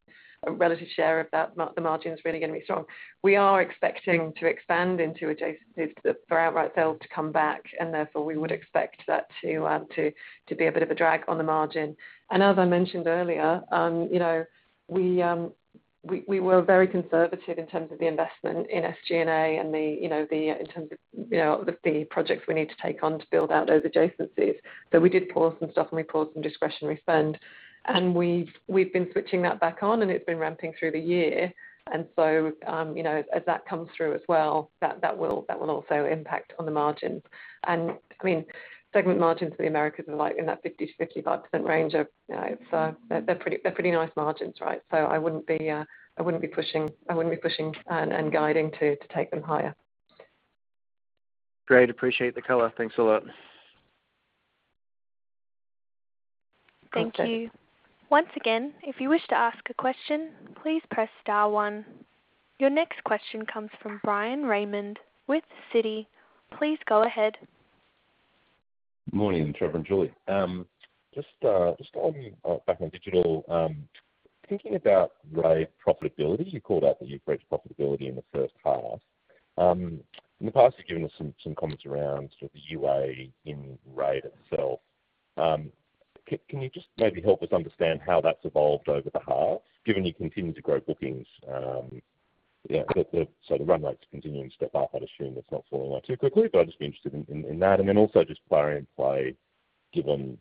relative share of that, the margin is really going to be strong. We are expecting to expand into adjacencies as the outright sales come back, and therefore, we would expect that to be a bit of a drag on the margin. As I mentioned earlier, we were very conservative in terms of the investment in SG&A and in terms of the projects we need to take on to build out those adjacencies. We did pause some stuff, and we paused some discretionary spend, and we've been switching that back on, and it's been ramping through the year. As that comes through as well, that will also impact on the margins. Segment margins in the Americas are like in that 50%-55% range. They're pretty nice margins. I wouldn't be pushing and guiding to take them higher. Great. Appreciate the color. Thanks a lot. Thank you. Once again, if you wish to ask a question, please press star one. Your next question comes from Bryan Raymond with Citi. Please go ahead. Morning, Trevor and Julie. Just diving back on digital, thinking about RAID profitability, you called out that you've reached profitability in the first half. In the past, you've given us some comments around sort of the UA in RAID itself. Can you just maybe help us understand how that's evolved over the half, given you continue to grow bookings? The run rate's continuing to step up, I'd assume that's not falling off too quickly. I'd just be interested in that, and then also just Plarium Play, given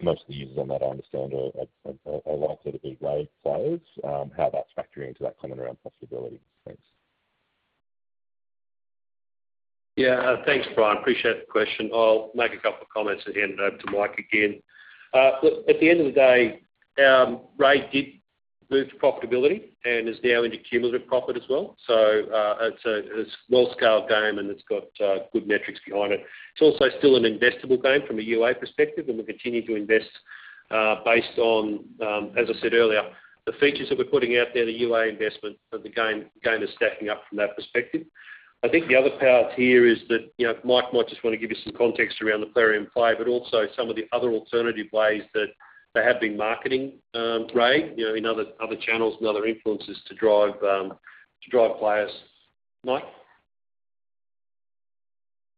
most of the users on that I understand are likely to be RAID players, how that's factoring into that comment around profitability. Thanks. Thanks, Bryan. Appreciate the question. I'll make a couple comments and hand over to Mike again. Look, at the end of the day, RAID did reach profitability and is now into cumulative profit as well. It's a well-scaled game, and it's got good metrics behind it. It's also still an investable game from a UA perspective, and we continue to invest based on, as I said earlier, the features that we're putting out there, the UA investment of the game is stacking up from that perspective. I think the other part here is that Mike might just want to give you some context around the Plarium Play, but also some of the other alternative ways that they have been marketing RAID in other channels and other influences to drive players. Mike?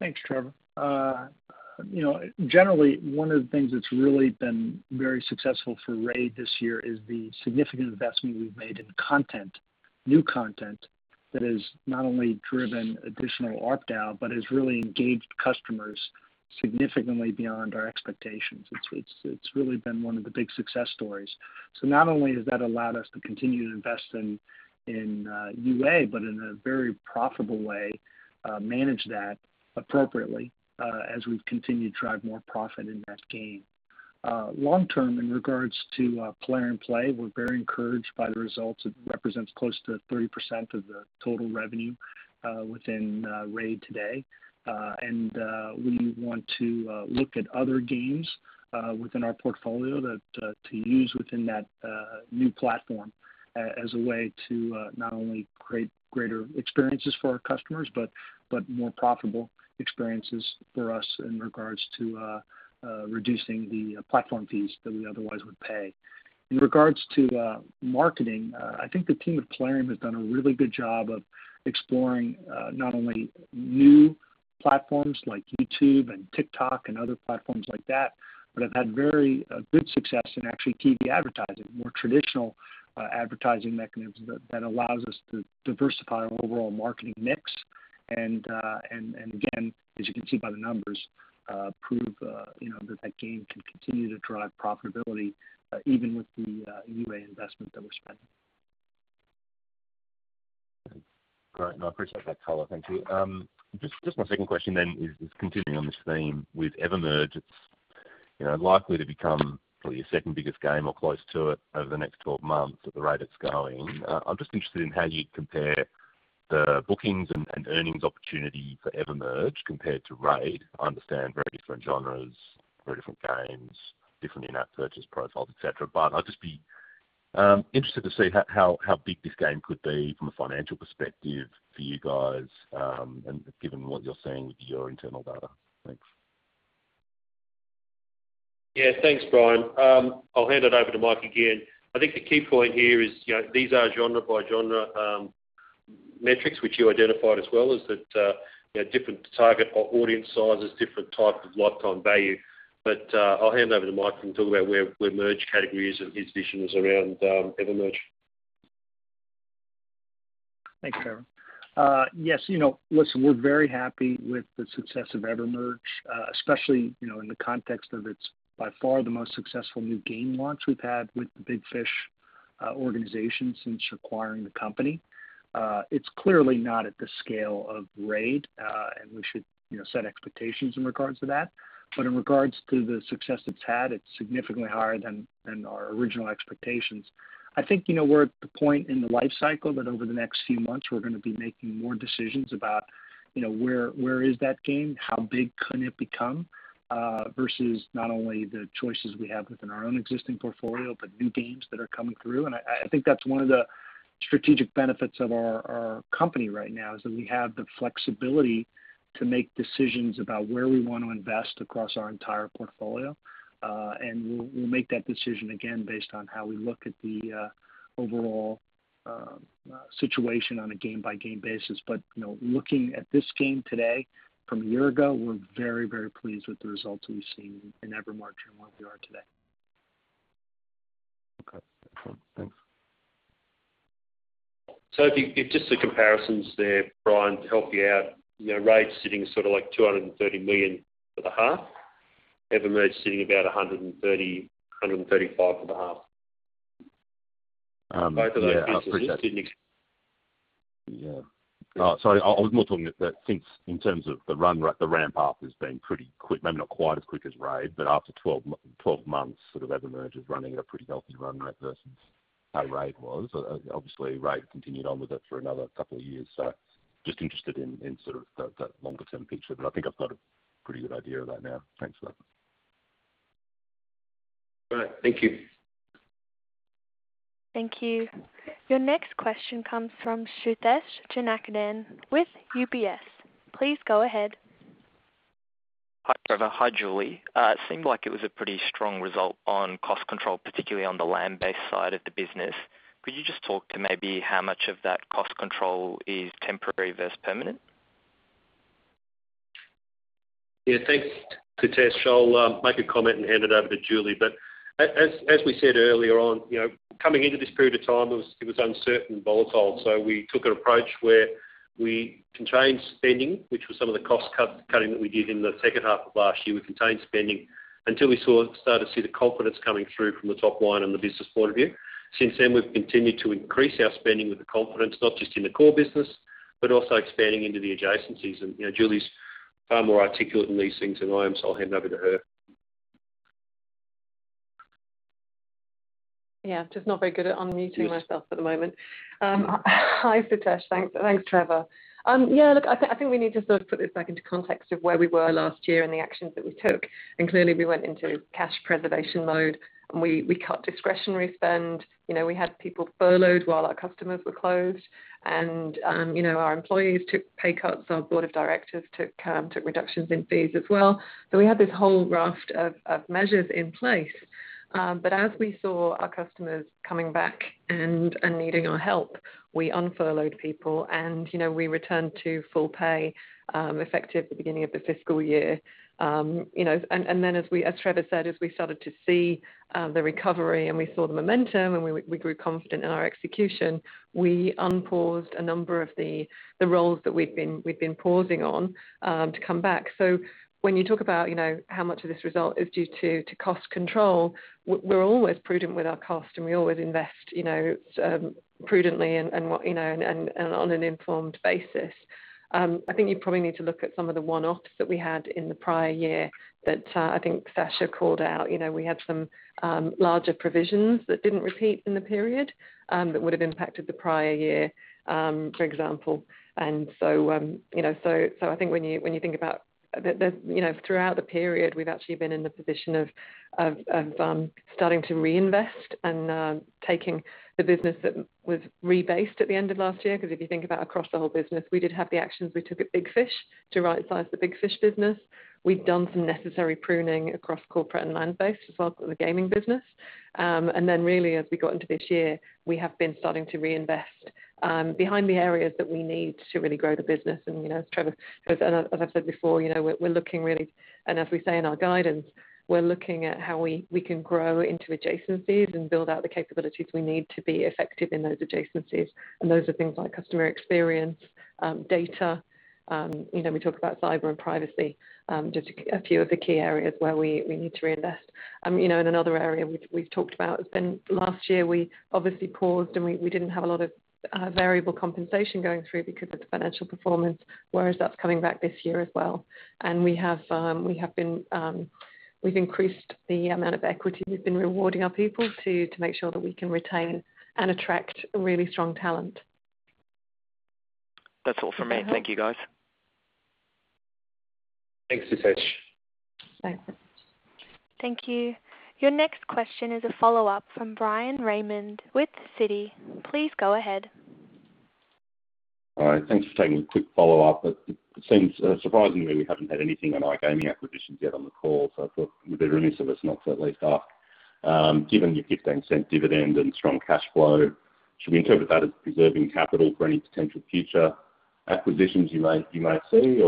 Thanks, Trevor. Generally, one of the things that's really been very successful for RAID this year is the significant investment we've made in content, new content, that has not only driven additional ABPDAU, but has really engaged customers significantly beyond our expectations. It's really been one of the big success stories. Not only has that allowed us to continue to invest in UA, but in a very profitable way, manage that appropriately, as we've continued to drive more profit in that game. Long term, in regards to Plarium Play, we're very encouraged by the results. It represents close to 30% of the total revenue within RAID today. We want to look at other games within our portfolio to use within that new platform as a way to not only create greater experiences for our customers, but more profitable experiences for us in regards to reducing the platform fees that we otherwise would pay. In regards to marketing, I think the team at Plarium have done a really good job of exploring not only new platforms like YouTube and TikTok and other platforms like that, but have had very good success in actually TV advertising, more traditional advertising mechanisms that allows us to diversify our overall marketing mix. Again, as you can see by the numbers, prove that that game can continue to drive profitability, even with the UA investment that we're spending. Great. I appreciate that color. Thank you. My second question is continuing on this theme with EverMerge. It's likely to become probably your second biggest game or close to it over the next 12 months at the rate it's going. I'm just interested in how you compare the bookings and earnings opportunity for EverMerge compared to RAID. I understand very different genres, very different games, different in-app purchase profiles, et cetera. I'd just be interested to see how big this game could be from a financial perspective for you guys, and given what you're seeing with your internal data. Thanks. Thanks, Bryan. I'll hand it over to Mike again. I think the key point here is these are genre-by-genre metrics, which you identified as well, is that different target audience sizes, different type of lifetime value. I'll hand over to Mike, and he'll talk about where Merge categories and decisions around EverMerge. Thanks, Trevor. Yes, listen, we're very happy with the success of EverMerge, especially in the context of it's by far the most successful new game launch we've had with the Big Fish organization since acquiring the company. We should set expectations in regards to that. In regards to the success it's had, it's significantly higher than our original expectations. I think we're at the point in the life cycle that over the next few months, we're going to be making more decisions about where is that game, how big can it become, versus not only the choices we have within our own existing portfolio, but new games that are coming through. I think that's one of the strategic benefits of our company right now, is that we have the flexibility to make decisions about where we want to invest across our entire portfolio. We'll make that decision again based on how we look at the overall situation on a game-by-game basis. Looking at this game today from a year ago, we're very, very pleased with the results that we've seen in EverMerge and where we are today. Okay. Excellent. Thanks. Just the comparisons there, Bryan, to help you out. RAID's sitting sort of like 230 million for the half. EverMerge sitting about 130 million-135 million for the half. Yeah. I appreciate that. Sorry, I was more talking that since in terms of the run rate, the ramp up has been pretty quick, maybe not quite as quick as RAID, but after 12 months, EverMerge is running a pretty healthy run rate versus how RAID was. Obviously, RAID continued on with it for another couple of years. Just interested in that longer-term picture, but I think I've got a pretty good idea right now. Thanks for that. All right. Thank you. Thank you. Your next question comes from Suthesh Jeyakandan with UBS. Please go ahead. Hi, Trevor. Hi, Julie. It seemed like it was a pretty strong result on cost control, particularly on the land-based side of the business. Could you just talk to maybe how much of that cost control is temporary versus permanent? Yeah, thanks, Suthesh. I'll make a comment and hand it over to Julie. As we said earlier on, coming into this period of time, it was uncertain and volatile. So we took an approach where we contained spending, which was some of the cost-cutting that we did in the second half of last year. We contained spending until we started to see the confidence coming through from the top line and the business point of view. Since then, we've continued to increase our spending with the confidence, not just in the core business, but also expanding into the adjacencies. Julie's far more articulate in these things than I am, so I'll hand over to her. Just not very good at unmuting myself at the moment. Hi, Suthesh. Thanks, Trevor. I think we need to put this back into context of where we were last year and the actions that we took, including we went into cash preservation mode and we cut discretionary spend. We had people furloughed while our customers were closed, and our employees took pay cuts, and our Board of Directors took reductions in fees as well. We had this whole raft of measures in place. As we saw our customers coming back and needing our help, we un-furloughed people, and we returned to full pay, effective at the beginning of the fiscal year. As Trevor said, as we started to see the recovery and we saw the momentum, and we grew confident in our execution, we unpaused a number of the roles that we'd been pausing on to come back. When you talk about how much of this result is due to cost control, we're always prudent with our cost, and we always invest prudently and on an informed basis. I think you probably need to look at some of the one-offs that we had in the prior year that I think Sacha had called out. We had some larger provisions that didn't repeat in the period, that would've impacted the prior year, for example. I think when you think about throughout the period, we've actually been in the position of starting to reinvest and taking the business that was rebased at the end of last year. If you think about across the whole business, we did have the actions we took at Big Fish to right-size the Big Fish business. We've done some necessary pruning across corporate and land-based as well as with the gaming business. Really, as we got into this year, we have been starting to reinvest behind the areas that we need to really grow the business. Trevor, as I've said before, we're looking really, as we say in our guidance, we're looking at how we can grow into adjacencies and build out the capabilities we need to be effective in those adjacencies. Those are things like customer experience, data. We talk about cyber and privacy, just a few of the key areas where we need to reinvest. Another area we've talked about, last year, we obviously paused, and we didn't have a lot of variable compensation going through because of the financial performance, whereas that's coming back this year as well. We've increased the amount of equity we've been rewarding our people to make sure that we can retain and attract really strong talent. That's all from me. Thank you, guys. Thanks, Suthesh. Thanks Thank you. Your next question is a follow-up from Bryan Raymond with Citi. Please go ahead. All right. Thanks for taking a quick follow-up. It seems surprising that you haven't had anything on iGaming acquisitions yet on the call. I thought it'd be remiss if it's not at least up. Given your 0.15 dividend and strong cash flow, should we interpret that as preserving capital for any potential future acquisitions you may see,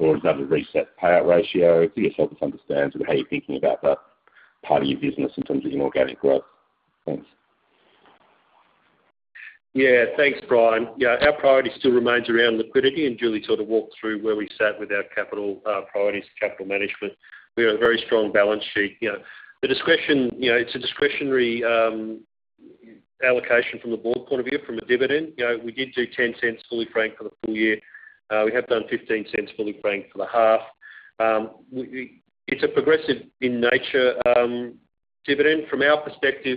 or is that a reset payout ratio? If you could just help us understand how you're thinking about that part of your business in terms of inorganic growth. Thanks. Thanks, Bryan. Our priority still remains around liquidity. Julie sort of walked through where we sat with our capital priorities and capital management. We have a very strong balance sheet. It's a discretionary allocation from the board point of view, from a dividend. We did do 0.10 fully franked for the full year. We have done 0.15 fully franked for the half. It's progressive in nature. Dividend, from our perspective,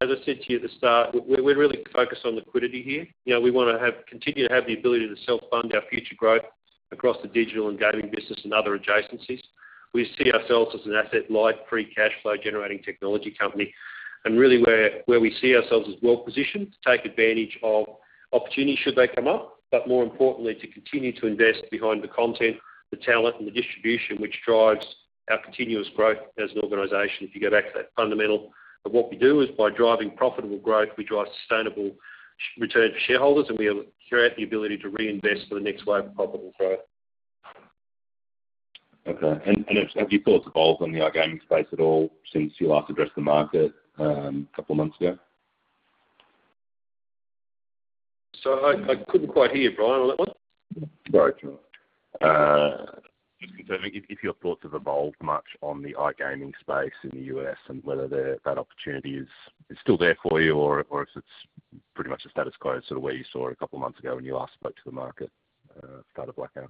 as I said to you at the start, we're really focused on liquidity here. We want to continue to have the ability to self-fund our future growth across the digital and gaming business and other adjacencies. We see ourselves as an asset-light, free cash flow-generating technology company. Really where we see ourselves as well-positioned to take advantage of opportunities should they come up. More importantly, to continue to invest behind the content, the talent, and the distribution which drives our continuous growth as an organization. You go back to that fundamental of what we do is by driving profitable growth, we drive sustainable return for shareholders, and we curate the ability to reinvest for the next wave of profitable growth. Okay. Have your thoughts evolved on the iGaming space at all since you last addressed the market a couple of months ago? I couldn't quite hear, Bryan, on that one. Sorry. If your thoughts have evolved much on the iGaming space in the U.S. and whether that opportunity is still there for you or if it's pretty much the status quo, sort of where you saw a couple of months ago when you last spoke to the market at the start of lockdown?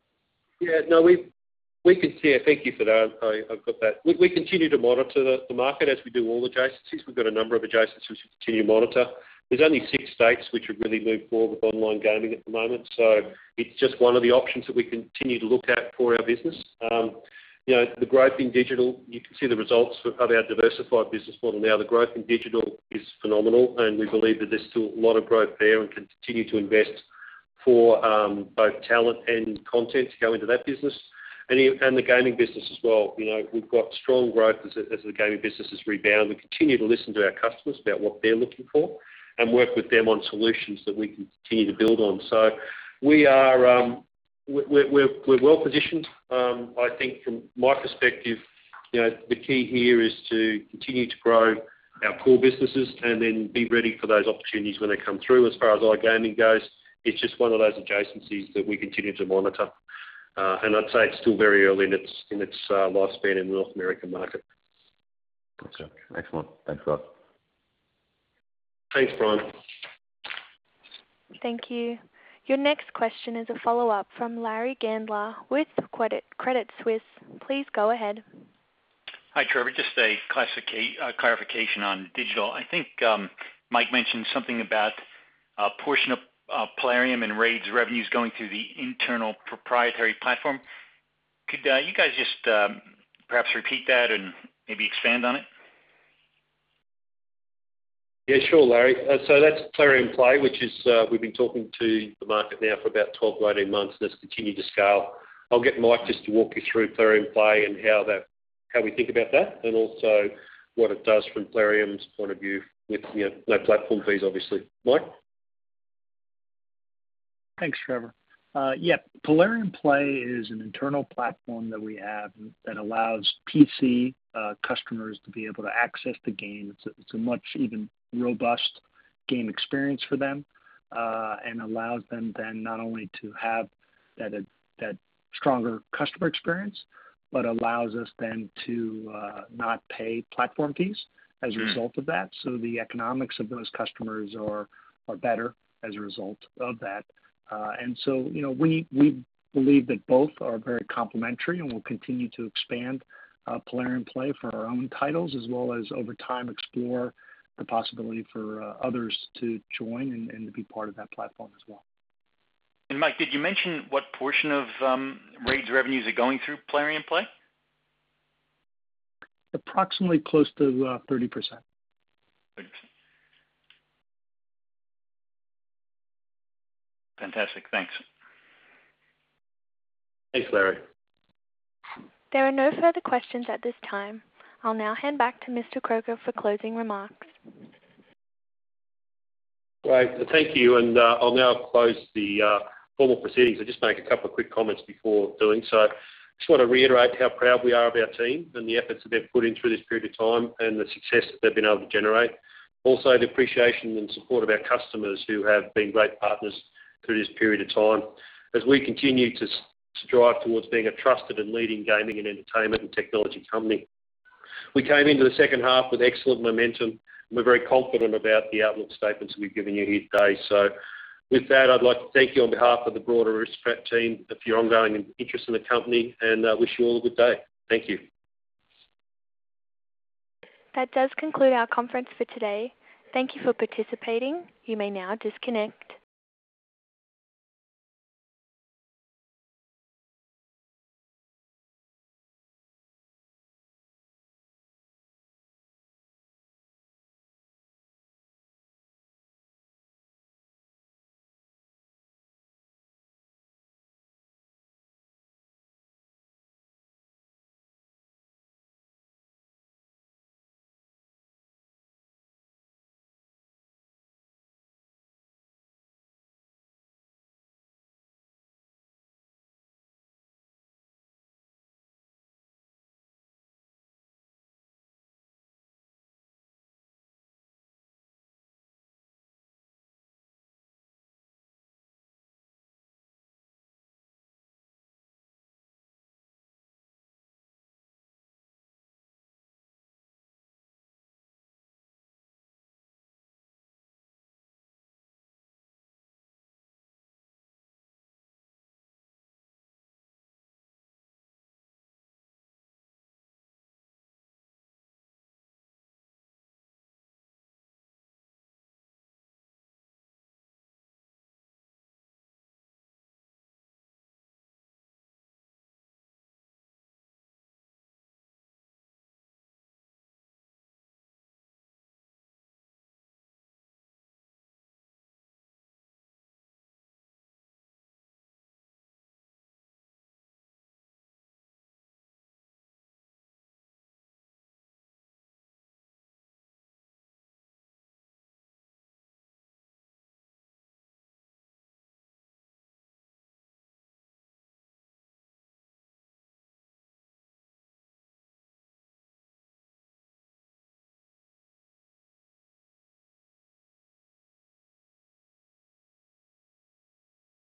Yeah, no. Yeah, thank you for that. I've got that. We continue to monitor the market as we do all adjacencies. We've got a number of adjacencies we continue to monitor. There's only six states which have really moved forward with iGaming at the moment. It's just one of the options that we continue to look at for our business. The growth in digital, you can see the results of our diversified business model now. The growth in digital is phenomenal, and we believe that there's still a lot of growth there and continue to invest for both talent and content to go into that business and the gaming business as well. We've got strong growth as the gaming business has rebounded. Continue to listen to our customers about what they're looking for and work with them on solutions that we can continue to build on. We're well-positioned. I think from my perspective, the key here is to continue to grow our core businesses and then be ready for those opportunities when they come through. As far as iGaming goes, it's just one of those adjacencies that we continue to monitor. Like I say, it's still very early in its lifespan in the North American market. Okay. Thanks a lot. Thanks, Bryan. Thank you. Your next question is a follow-up from Larry Gandler with Credit Suisse. Please go ahead. Hi, Trevor. Just a clarification on digital. I think Mike mentioned something about a portion of Plarium and RAID's revenues going through the internal proprietary platform. Could you guys just perhaps repeat that and maybe expand on it? Yeah, sure, Larry. That's Plarium Play, which we've been talking to the market now for about 12, 18 months, and it's continued to scale. I'll get Mike just to walk you through Plarium Play and how we think about that, and also what it does from Plarium's point of view with no platform fees, obviously. Mike? Thanks, Trevor. Yeah. Plarium Play is an internal platform that we have that allows PC customers to be able to access the game. It's a much even robust game experience for them. Allows them then not only to have that stronger customer experience, but allows us then to not pay platform fees as a result of that. The economics of those customers are better as a result of that. We believe that both are very complementary and we'll continue to expand Plarium Play for our own titles as well as over time explore the possibility for others to join and to be part of that platform as well. Mike, did you mention what portion of RAID's revenues are going through Plarium Play? Approximately close to 30%. Thanks. Fantastic. Thanks. Thanks, Larry. There are no further questions at this time. I'll now hand back to Mr. Croker for closing remarks. Great. Thank you. I'll now close the formal proceedings. I'll just make a couple of quick comments before doing so. Just want to reiterate how proud we are of our team and the efforts they've put in through this period of time and the success that they've been able to generate. Also, appreciation and support of our customers who have been great partners through this period of time as we continue to strive towards being a trusted and leading gaming and entertainment and technology company. We came into the second half with excellent momentum. We're very confident about the outlook statements we've given you here today. With that, I'd like to thank you on behalf of the broader Aristocrat team for your ongoing interest in the company, and I wish you all a good day. Thank you. That does conclude our conference for today. Thank you for participating. You may now disconnect.